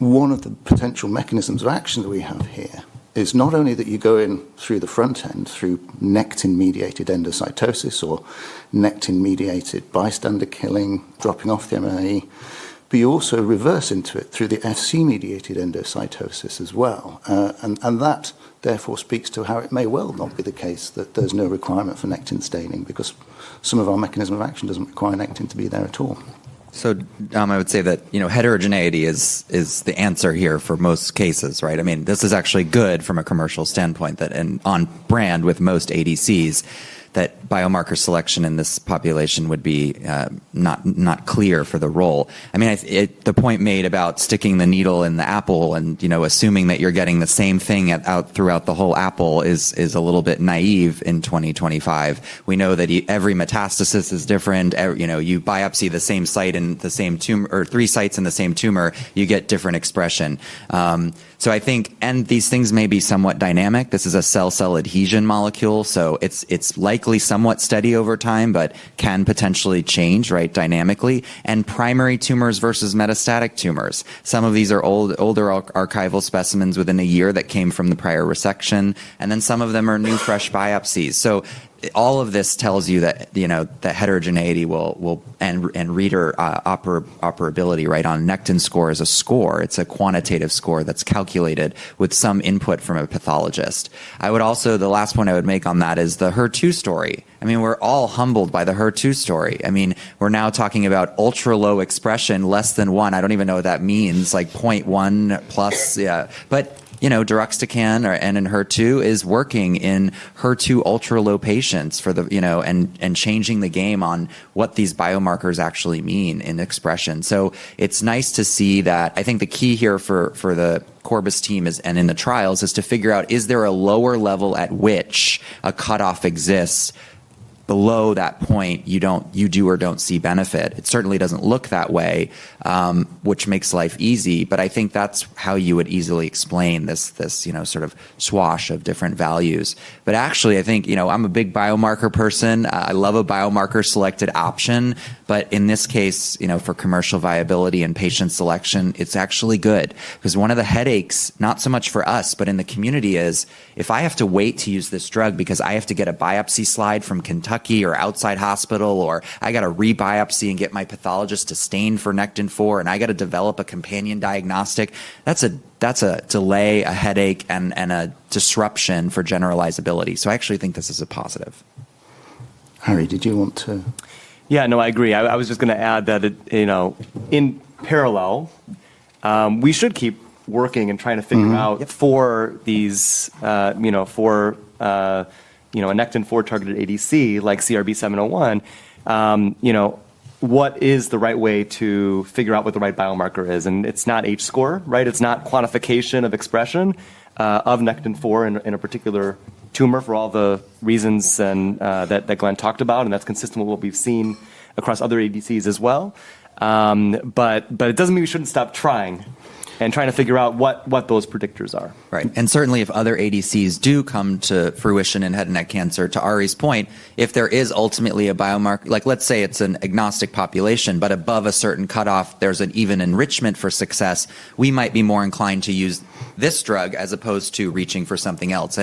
One of the potential mechanisms of action that we have here is not only that you go in through the front end through Nectin-mediated endocytosis or Nectin-mediated bystander killing, dropping off the MAE, but you also reverse into it through the FC-mediated endocytosis as well. That therefore speaks to how it may well not be the case that there's no requirement for Nectin staining because some of our mechanism of action doesn't require Nectin to be there at all. Dom, I would say that heterogeneity is the answer here for most cases, right? I mean, this is actually good from a commercial standpoint that on brand with most ADCs, biomarker selection in this population would be not clear for the role. The point made about sticking the needle in the apple and assuming that you're getting the same thing out throughout the whole apple is a little bit naive in 2025. We know that every metastasis is different. You biopsy the same site in the same tumor or three sites in the same tumor, you get different expression. I think these things may be somewhat dynamic. This is a cell-cell adhesion molecule, so it's likely somewhat steady over time, but can potentially change dynamically. Primary tumors versus metastatic tumors, some of these are older archival specimens within a year that came from the prior resection, and then some of them are new fresh biopsies. All of this tells you that the heterogeneity will, and reader operability on Nectin score is a score. It's a quantitative score that's calculated with some input from a pathologist. The last point I would make on that is the HER2 story. We're all humbled by the HER2 story. We're now talking about ultra-low expression, less than one. I don't even know what that means, like 0.1 plus. Yeah. But Deruxtecan in HER2 is working in HER2 ultra-low patients and changing the game on what these biomarkers actually mean in expression. It's nice to see that. I think the key here for the Corbus team and in the trials is to figure out, is there a lower level at which a cutoff exists below that point you do or don't see benefit? It certainly doesn't look that way, which makes life easy. I think that's how you would easily explain this sort of swash of different values. Actually, I think I'm a big biomarker person. I love a biomarker selected option. In this case, for commercial viability and patient selection, it's actually good. Because one of the headaches, not so much for us, but in the community, is if I have to wait to use this drug because I have to get a biopsy slide from Kentucky or outside hospital, or I got to re-biopsy and get my pathologist to stain for Nectin-4, and I got to develop a companion diagnostic. That's a delay, a headache, and a disruption for generalizability. I actually think this is a positive. Ari, did you want to? Yeah, no, I agree. I was just going to add that, in parallel, we should keep working and trying to figure out for these, for a Nectin-4 targeted ADC like CRB-701, what is the right way to figure out what the right biomarker is? It's not H-score, right? It's not quantification of expression of Nectin-4 in a particular tumor for all the reasons that Glenn talked about. That's consistent with what we've seen across other ADCs as well. It doesn't mean we shouldn't stop trying and trying to figure out what those predictors are. Right. Certainly, if other ADCs do come to fruition in head and neck cancer, to Ari's point, if there is ultimately a biomarker, like let's say it's an agnostic population, but above a certain cutoff, there's an even enrichment for success, we might be more inclined to use this drug as opposed to reaching for something else.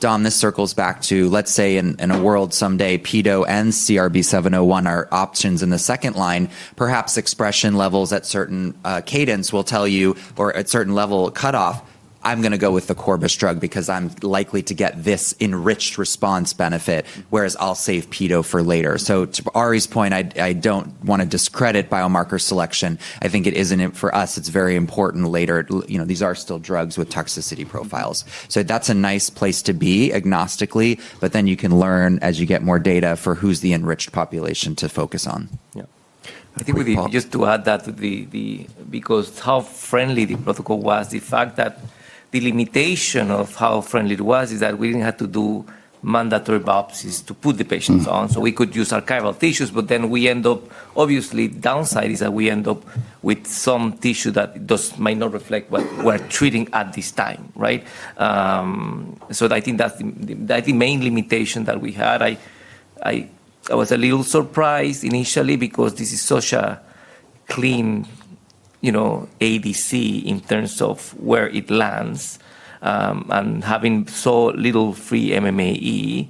Dom, this circles back to, let's say, in a world someday pedo and CRB-701 are options in the second line, perhaps expression levels at certain cadence will tell you, or at certain level cutoff, I'm going to go with the Corbus drug because I'm likely to get this enriched response benefit, whereas I'll save pedo for later. To Ari's point, I don't want to discredit biomarker selection. I think it isn't for us. It's very important later. These are still drugs with toxicity profiles. That's a nice place to be agnostically, but then you can learn as you get more data for who's the enriched population to focus on. Yeah. I think we just to add that to the, because how friendly the protocol was, the fact that the limitation of how friendly it was is that we didn't have to do mandatory biopsies to put the patients on. We could use archival tissues, but the downside is that we end up with some tissue that might not reflect what we're treating at this time, right? I think that's the main limitation that we had. I was a little surprised initially because this is such a clean, you know, ADC in terms of where it lands and having so little free MMAE.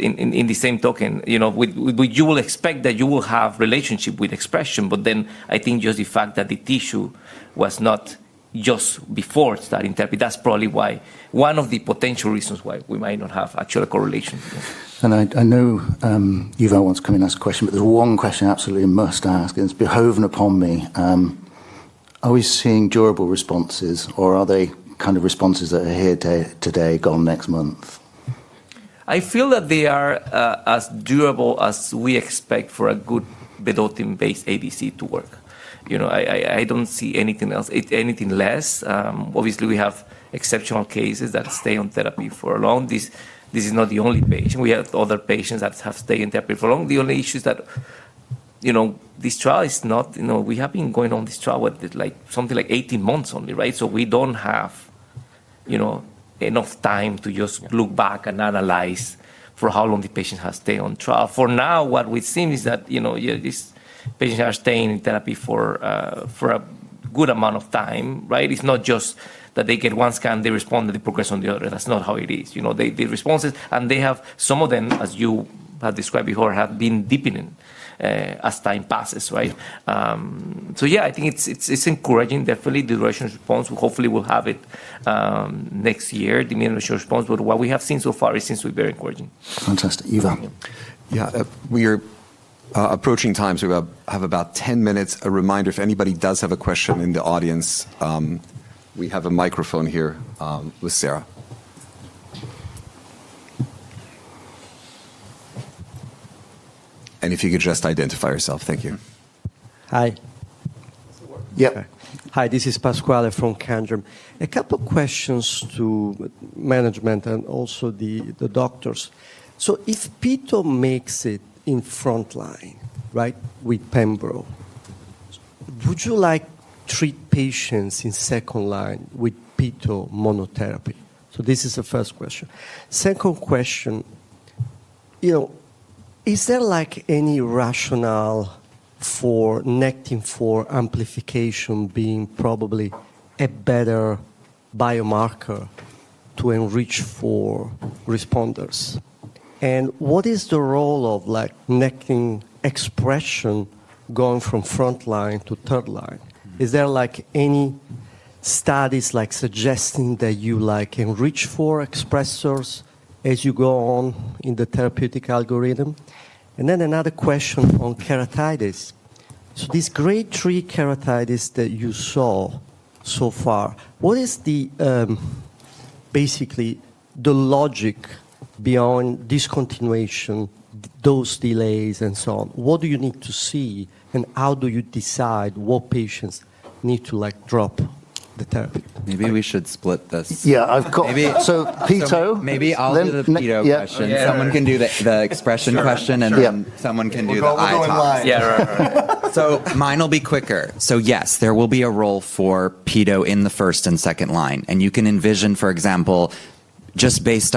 In the same token, you will expect that you will have a relationship with expression, but I think just the fact that the tissue was not just before starting therapy, that's probably why one of the potential reasons why we might not have actual correlation. I know you've now once come in and asked a question, but there's one question I absolutely must ask, and it's beholden upon me. Are we seeing durable responses, or are they kind of responses that are here today, gone next month? I feel that they are as durable as we expect for a good vedotin-based ADC to work. I don't see anything else, anything less. Obviously, we have exceptional cases that stay on therapy for a long time. This is not the only patient. We have other patients that have stayed in therapy for a long time. The only issue is that this trial is not, you know, we have been going on this trial with something like 18 months only, right? We don't have enough time to just look back and analyze for how long the patient has stayed on trial. For now, what we've seen is that these patients are staying in therapy for a good amount of time, right? It's not just that they get one scan, they respond to the progression of the other. That's not how it is. The responses, and they have, some of them, as you have described before, have been dependent as time passes, right? I think it's encouraging, definitely, the duration of response. Hopefully, we'll have it next year, the meaning of the short response. What we have seen so far seems to be very encouraging. Fantastic. Eva. Yeah, we are approaching time, so we have about 10 minutes. A reminder, if anybody does have a question in the audience, we have a microphone here with Sarah. If you could just identify yourself, thank you. Hi. Yeah. Hi, this is Pasquale from Kanjarum. A couple of questions to management and also the doctors. If Tivdak makes it in front line, right, with pembro, would you like to treat patients in second line with Tivdak monotherapy? This is the first question. Second question, is there like any rationale for Nectin-4 amplification being probably a better biomarker to enrich for responders? What is the role of Nectin expression going from front line to third line? Is there any studies suggesting that you enrich for expressors as you go on in the therapeutic algorithm? Another question on keratitis. This grade 3 keratitis that you saw so far, what is basically the logic beyond discontinuation, dose delays, and so on? What do you need to see and how do you decide what patients need to drop the therapy? Maybe we should split this. I've got. So PITO. Maybe I'll do the Tivdak question. Someone can do the expression question, and then someone can do the higher one. Right, right. Mine will be quicker. Yes, there will be a role for pedo in the first and second line. You can envision, for example, just based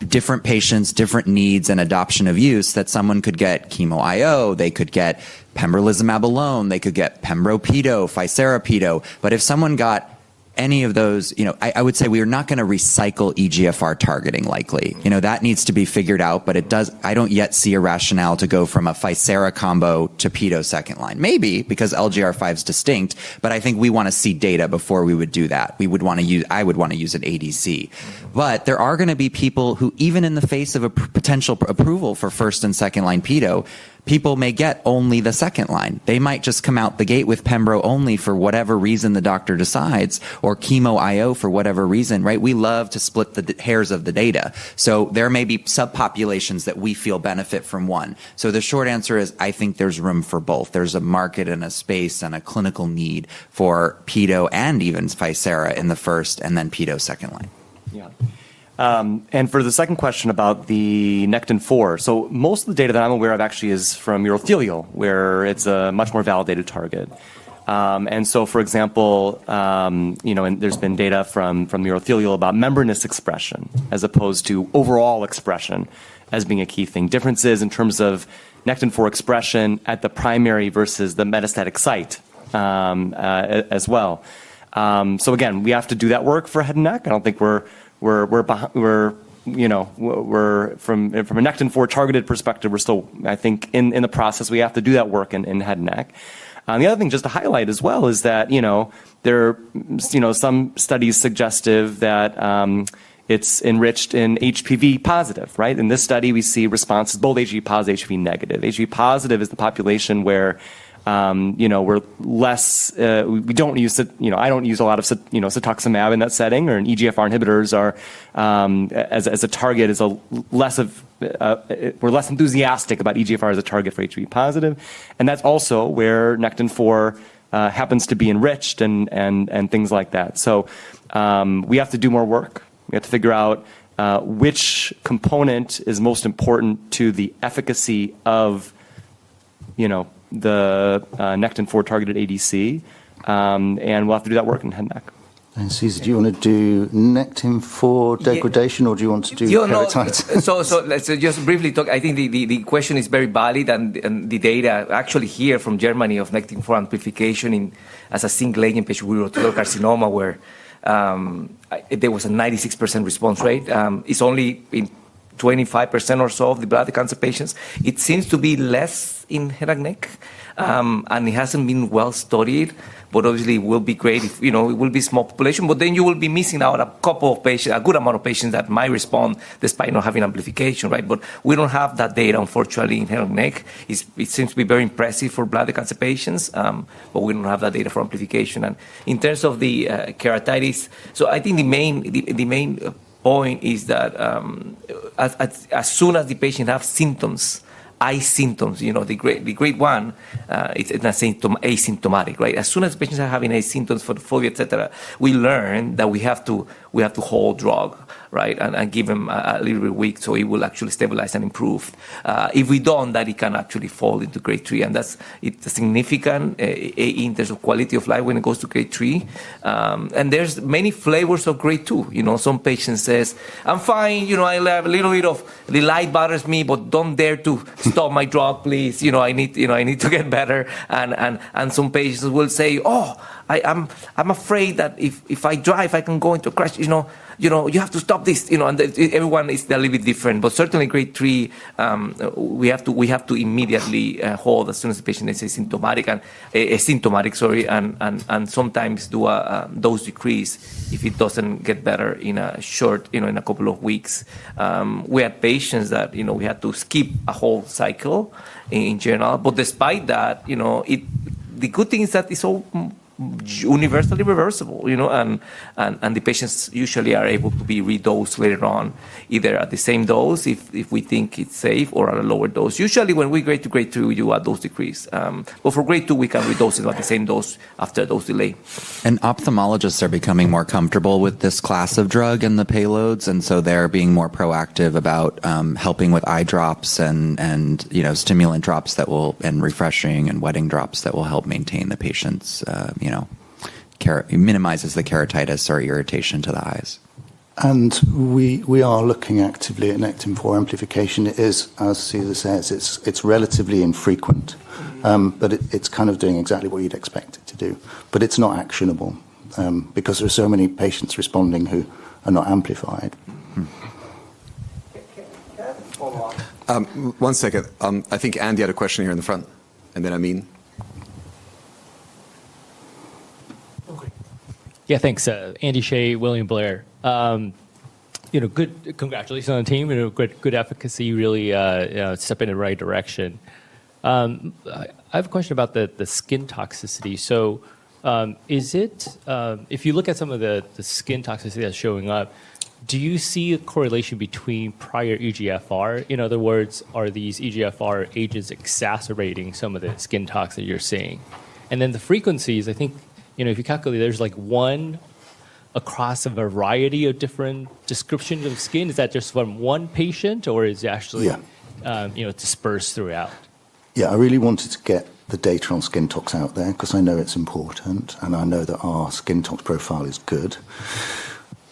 on different patients, different needs, and adoption of use, that someone could get chemo IO, they could get pembrolizumab alone, they could get pembro pedo, ficera pedo. If someone got any of those, I would say we are not going to recycle EGFR targeting likely. That needs to be figured out, but I don't yet see a rationale to go from a ficera combo to Tivdak second line. Maybe because LGR5 is distinct, but I think we want to see data before we would do that. We would want to use, I would want to use an ADC. There are going to be people who, even in the face of a potential approval for first and second line pedo, may get only the second line. They might just come out the gate with pembro only for whatever reason the doctor decides, or chemo IO for whatever reason, right? We love to split the hairs of the data. There may be subpopulations that we feel benefit from one. The short answer is I think there's room for both. There's a market and a space and a clinical need for pedo and even ficera in the first and then Tivdak second line. Yeah. For the second question about the Nectin-4, most of the data that I'm aware of actually is from urothelial, where it's a much more validated target. For example, there's been data from urothelial about membranous expression as opposed to overall expression as being a key thing. There are differences in terms of Nectin-4 expression at the primary versus the metastatic site as well. We have to do that work for head and neck. I don't think we're, from a Nectin-4 targeted perspective, we're still, I think, in the process. We have to do that work in head and neck. The other thing just to highlight as well is that there are some studies suggestive that it's enriched in HPV-positive, right? In this study, we see responses, both HPV-positive and HPV-negative. HPV-positive is the population where we're less, we don't use it, I don't use a lot of cetuximab in that setting, or EGFR inhibitors are as a target, as a less of, we're less enthusiastic about EGFR as a target for HPV-positive. That's also where Nectin-4 happens to be enriched and things like that. We have to do more work. We have to figure out which component is most important to the efficacy of the Nectin-4 targeted ADC. We'll have to do that work in head and neck. Cesar, do you want to do Nectin-4 degradation, or do you want to do? Let's just briefly talk. I think the question is very valid, and the data actually here from Germany of Nectin-4 amplification as a single agent patient with urothelial carcinoma, where there was a 96% response rate, it's only in 25% or so of the bladder cancer patients. It seems to be less in head and neck, and it hasn't been well studied, but obviously it will be great if, you know, it will be a small population, but then you will be missing out a couple of patients, a good amount of patients that might respond despite not having amplification, right? We don't have that data, unfortunately, in head and neck. It seems to be very impressive for bladder cancer patients, but we don't have that data for amplification. In terms of the keratitis, I think the main point is that as soon as the patient has symptoms, eye symptoms, you know, the grade one, it's asymptomatic, right? As soon as the patients are having eye symptoms, photophobia, et cetera, we learn that we have to hold the drug, right, and give them a little bit of weight, so it will actually stabilize and improve. If we don't, it can actually fall into grade three, and that's significant in terms of quality of life when it goes to grade three. There are many flavors of grade two. Some patient says, "I'm fine, you know, I have a little bit of, the light bothers me, but don't dare to stop my drug, please. You know, I need to get better." Some patients will say, "Oh, I'm afraid that if I drive, I can go into a crash. You know, you have to stop this." Everyone is a little bit different, but certainly grade three, we have to immediately hold as soon as the patient is asymptomatic, and sometimes do a dose decrease if it doesn't get better in a short, you know, in a couple of weeks. We had patients that, you know, we had to skip a whole cycle in general, but despite that, the good thing is that it's all universally reversible, you know, and the patients usually are able to be re-dosed later on, either at the same dose if we think it's safe or at a lower dose. Usually, when we grade to grade three, you add dose decrease. For grade two, we can re-dose it at the same dose after a dose delay. Ophthalmologists are becoming more comfortable with this class of drug and the payloads, and they're being more proactive about helping with eye drops, stimulant drops, and refreshing and wetting drops that will help maintain the patient's, you know, minimize the keratitis or irritation to the eyes. We are looking actively at Nectin-4 amplification. It is, as Cesar says, it's relatively infrequent, but it's kind of doing exactly what you'd expect it to do. It's not actionable because there are so many patients responding who are not amplified. One second. I think Andy had a question here in the front, and then Amin. Yeah, thanks. Andy Shea, William Blair. Congratulations on the team. Good efficacy, really stepping in the right direction. I have a question about the skin toxicity. If you look at some of the skin toxicity that's showing up, do you see a correlation between prior EGFR? In other words, are these EGFR agents exacerbating some of the skin toxicity you're seeing? The frequencies, I think, if you calculate, there's like one across a variety of different descriptions of skin. Is that just from one patient, or is it actually dispersed throughout? Yeah, I really wanted to get the data on skin tox out there because I know it's important, and I know that our skin tox profile is good.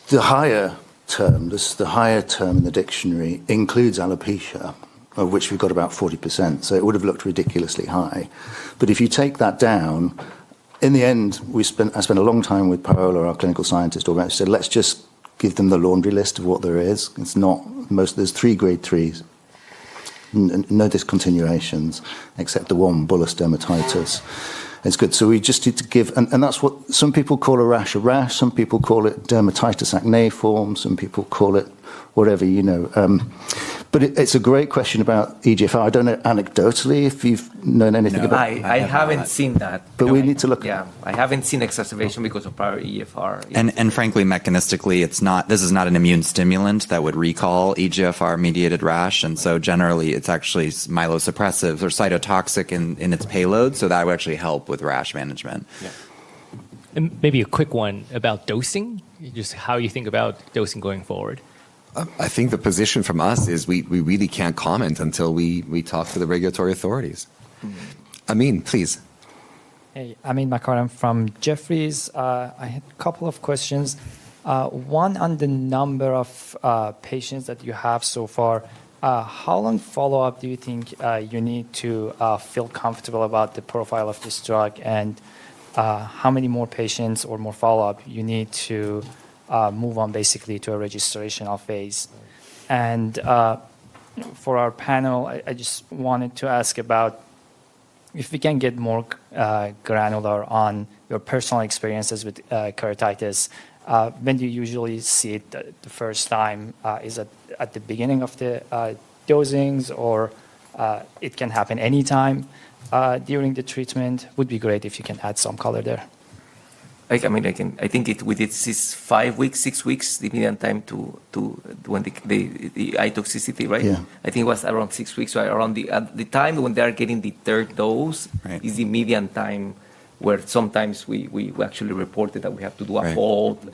The higher term in the dictionary includes alopecia, of which we've got about 40%. It would have looked ridiculously high. If you take that down, in the end, I spent a long time with Paola, our clinical scientist, who said, let's just give them the laundry list of what there is. It's not most, there's three grade threes, no discontinuations except the one bullous dermatitis. It's good. We just need to give, and that's what some people call a rash. A rash, some people call it dermatitis acneiform, some people call it whatever, you know. It's a great question about EGFR. I don't know anecdotally if you've known anything about EGFR. I haven't seen that. We need to look at. Yeah, I haven't seen exacerbation because of prior EGFR. Frankly, mechanistically, it's not, this is not an immune stimulant that would recall EGFR-mediated rash. Generally, it's actually myelosuppressive or cytotoxic in its payload. That would actually help with rash management. Maybe a quick one about dosing, just how you think about dosing going forward. I think the position from us is we really can't comment until we talk to the regulatory authorities. Amin, please. Hey, Amin Makarem from Jefferies. I had a couple of questions. One on the number of patients that you have so far. How long follow-up do you think you need to feel comfortable about the profile of this drug? How many more patients or more follow-up do you need to move on basically to a registrational phase? For our panel, I just wanted to ask about if we can get more granular on your personal experiences with keratitis. When do you usually see it the first time? Is it at the beginning of the dosings or can it happen anytime during the treatment? It would be great if you can add some color there. I mean, I think it's five weeks, six weeks, the median time to when the eye toxicity, right? I think it was around six weeks. Around the time when they are getting the third dose is the median time where sometimes we actually reported that we have to do a hold.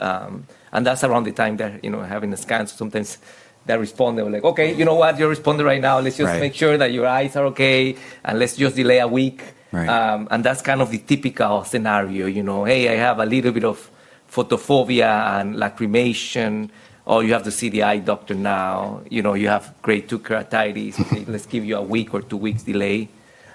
That's around the time they're having a scan. Sometimes they're responding like, okay, you know what, you're responding right now. Let's just make sure that your eyes are okay and let's just delay a week. That's kind of the typical scenario. You know, hey, I have a little bit of photophobia and lacrimation, or you have to see the eye doctor now. You know, you have grade 2 keratitis. Let's give you a week or two weeks delay.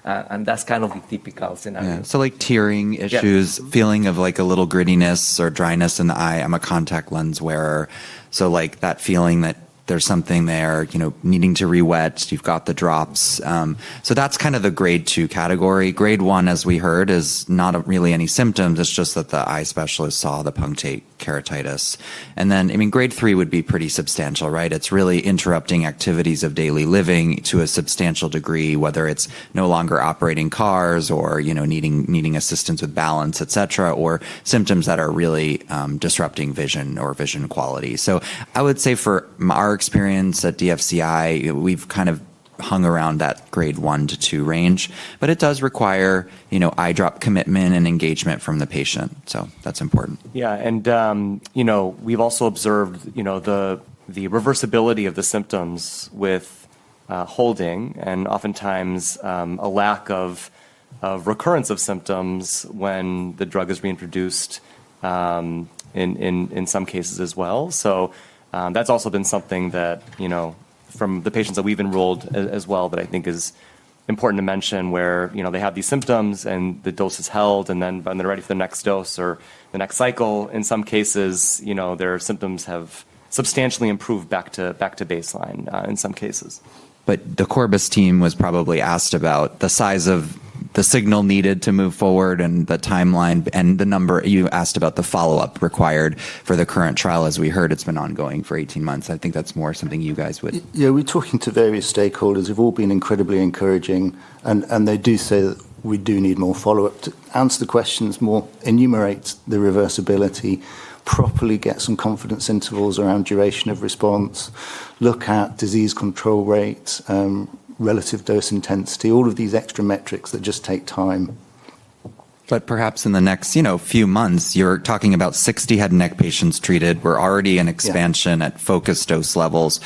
That's kind of the typical scenario. Tearing issues, feeling of a little grittiness or dryness in the eye. I'm a contact lens wearer, so that feeling that there's something there, needing to re-wet, you've got the drops. That's kind of the grade 2 category. Grade 1, as we heard, is not really any symptoms. It's just that the eye specialist saw the punctate keratitis. Grade 3 would be pretty substantial. It's really interrupting activities of daily living to a substantial degree, whether it's no longer operating cars or needing assistance with balance, et cetera, or symptoms that are really disrupting vision or vision quality. I would say for our experience at DFCI, we've kind of hung around that grade 1 to grade 2 range. It does require eye drop commitment and engagement from the patient. That's important. Yeah, we've also observed the reversibility of the symptoms with holding and oftentimes a lack of recurrence of symptoms when the drug is being produced in some cases as well. That's also been something that, from the patients that we've enrolled as well, I think is important to mention, where they have these symptoms and the dose is held, and then when they're ready for the next dose or the next cycle, in some cases, their symptoms have substantially improved back to baseline in some cases. The Corbus team was probably asked about the size of the signal needed to move forward, the timeline, and the number you asked about the follow-up required for the current trial. As we heard, it's been ongoing for 18 months. I think that's more something you guys would. Yeah, we're talking to various stakeholders. They've all been incredibly encouraging. They do say that we do need more follow-up to answer the questions, more enumerate the reversibility, properly get some confidence intervals around duration of response, look at disease control rates, relative dose intensity, all of these extra metrics that just take time. Perhaps in the next few months, you're talking about 60 head and neck patients treated. We're already in expansion at focused dose levels.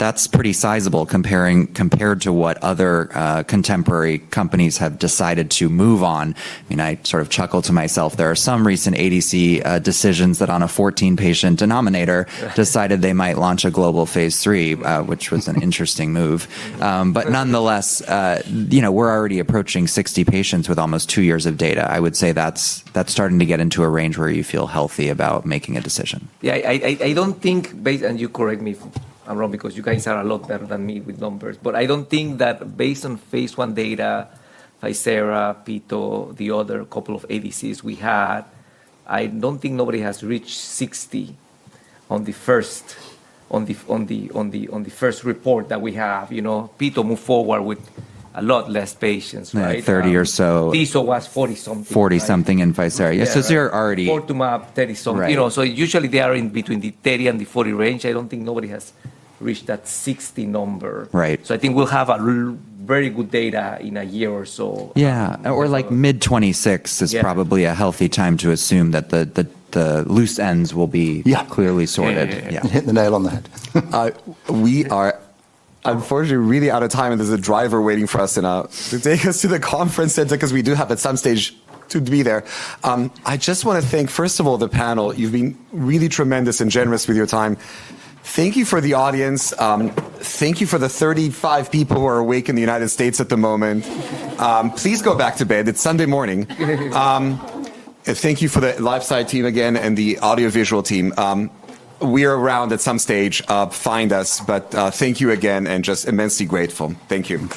That's pretty sizable compared to what other contemporary companies have decided to move on. I sort of chuckled to myself. There are some recent ADC decisions that on a 14-patient denominator decided they might launch a global phase III, which was an interesting move. Nonetheless, we're already approaching 60 patients with almost two years of data. I would say that's starting to get into a range where you feel healthy about making a decision. Yeah, I don't think, and you correct me if I'm wrong, because you guys are a lot better than me with numbers, but I don't think that based on phase I data, ficera, Tivdak, the other couple of ADCs, we have. don't think nobody has reached 60 on the first report that we have. You know, people move forward with a lot less patients, right? Yeah, 30 or so. These are what, 40-something? Forty something in Pfizer. Yeah, so they're already. Thirty to forty something. You know, so usually they are in between the 30 and the 40 range. I don't think nobody has reached that 60 number. Right. I think we'll have very good data in a year or so. Yeah, like mid-2026 is probably a healthy time to assume that the loose ends will be clearly sorted. Yeah, hit the nail on the head. We are unfortunately really out of time, and there's a driver waiting for us to take us to the conference center because we do have at some stage to be there. I just want to thank, first of all, the panel. You've been really tremendous and generous with your time. Thank you for the audience. Thank you for the 35 people who are awake in the United States at the moment. Please go back to bed. It's Sunday morning. Thank you for the LifeSci team again and the audiovisual team. We're around at some stage, find us. Thank you again and just immensely grateful. Thank you.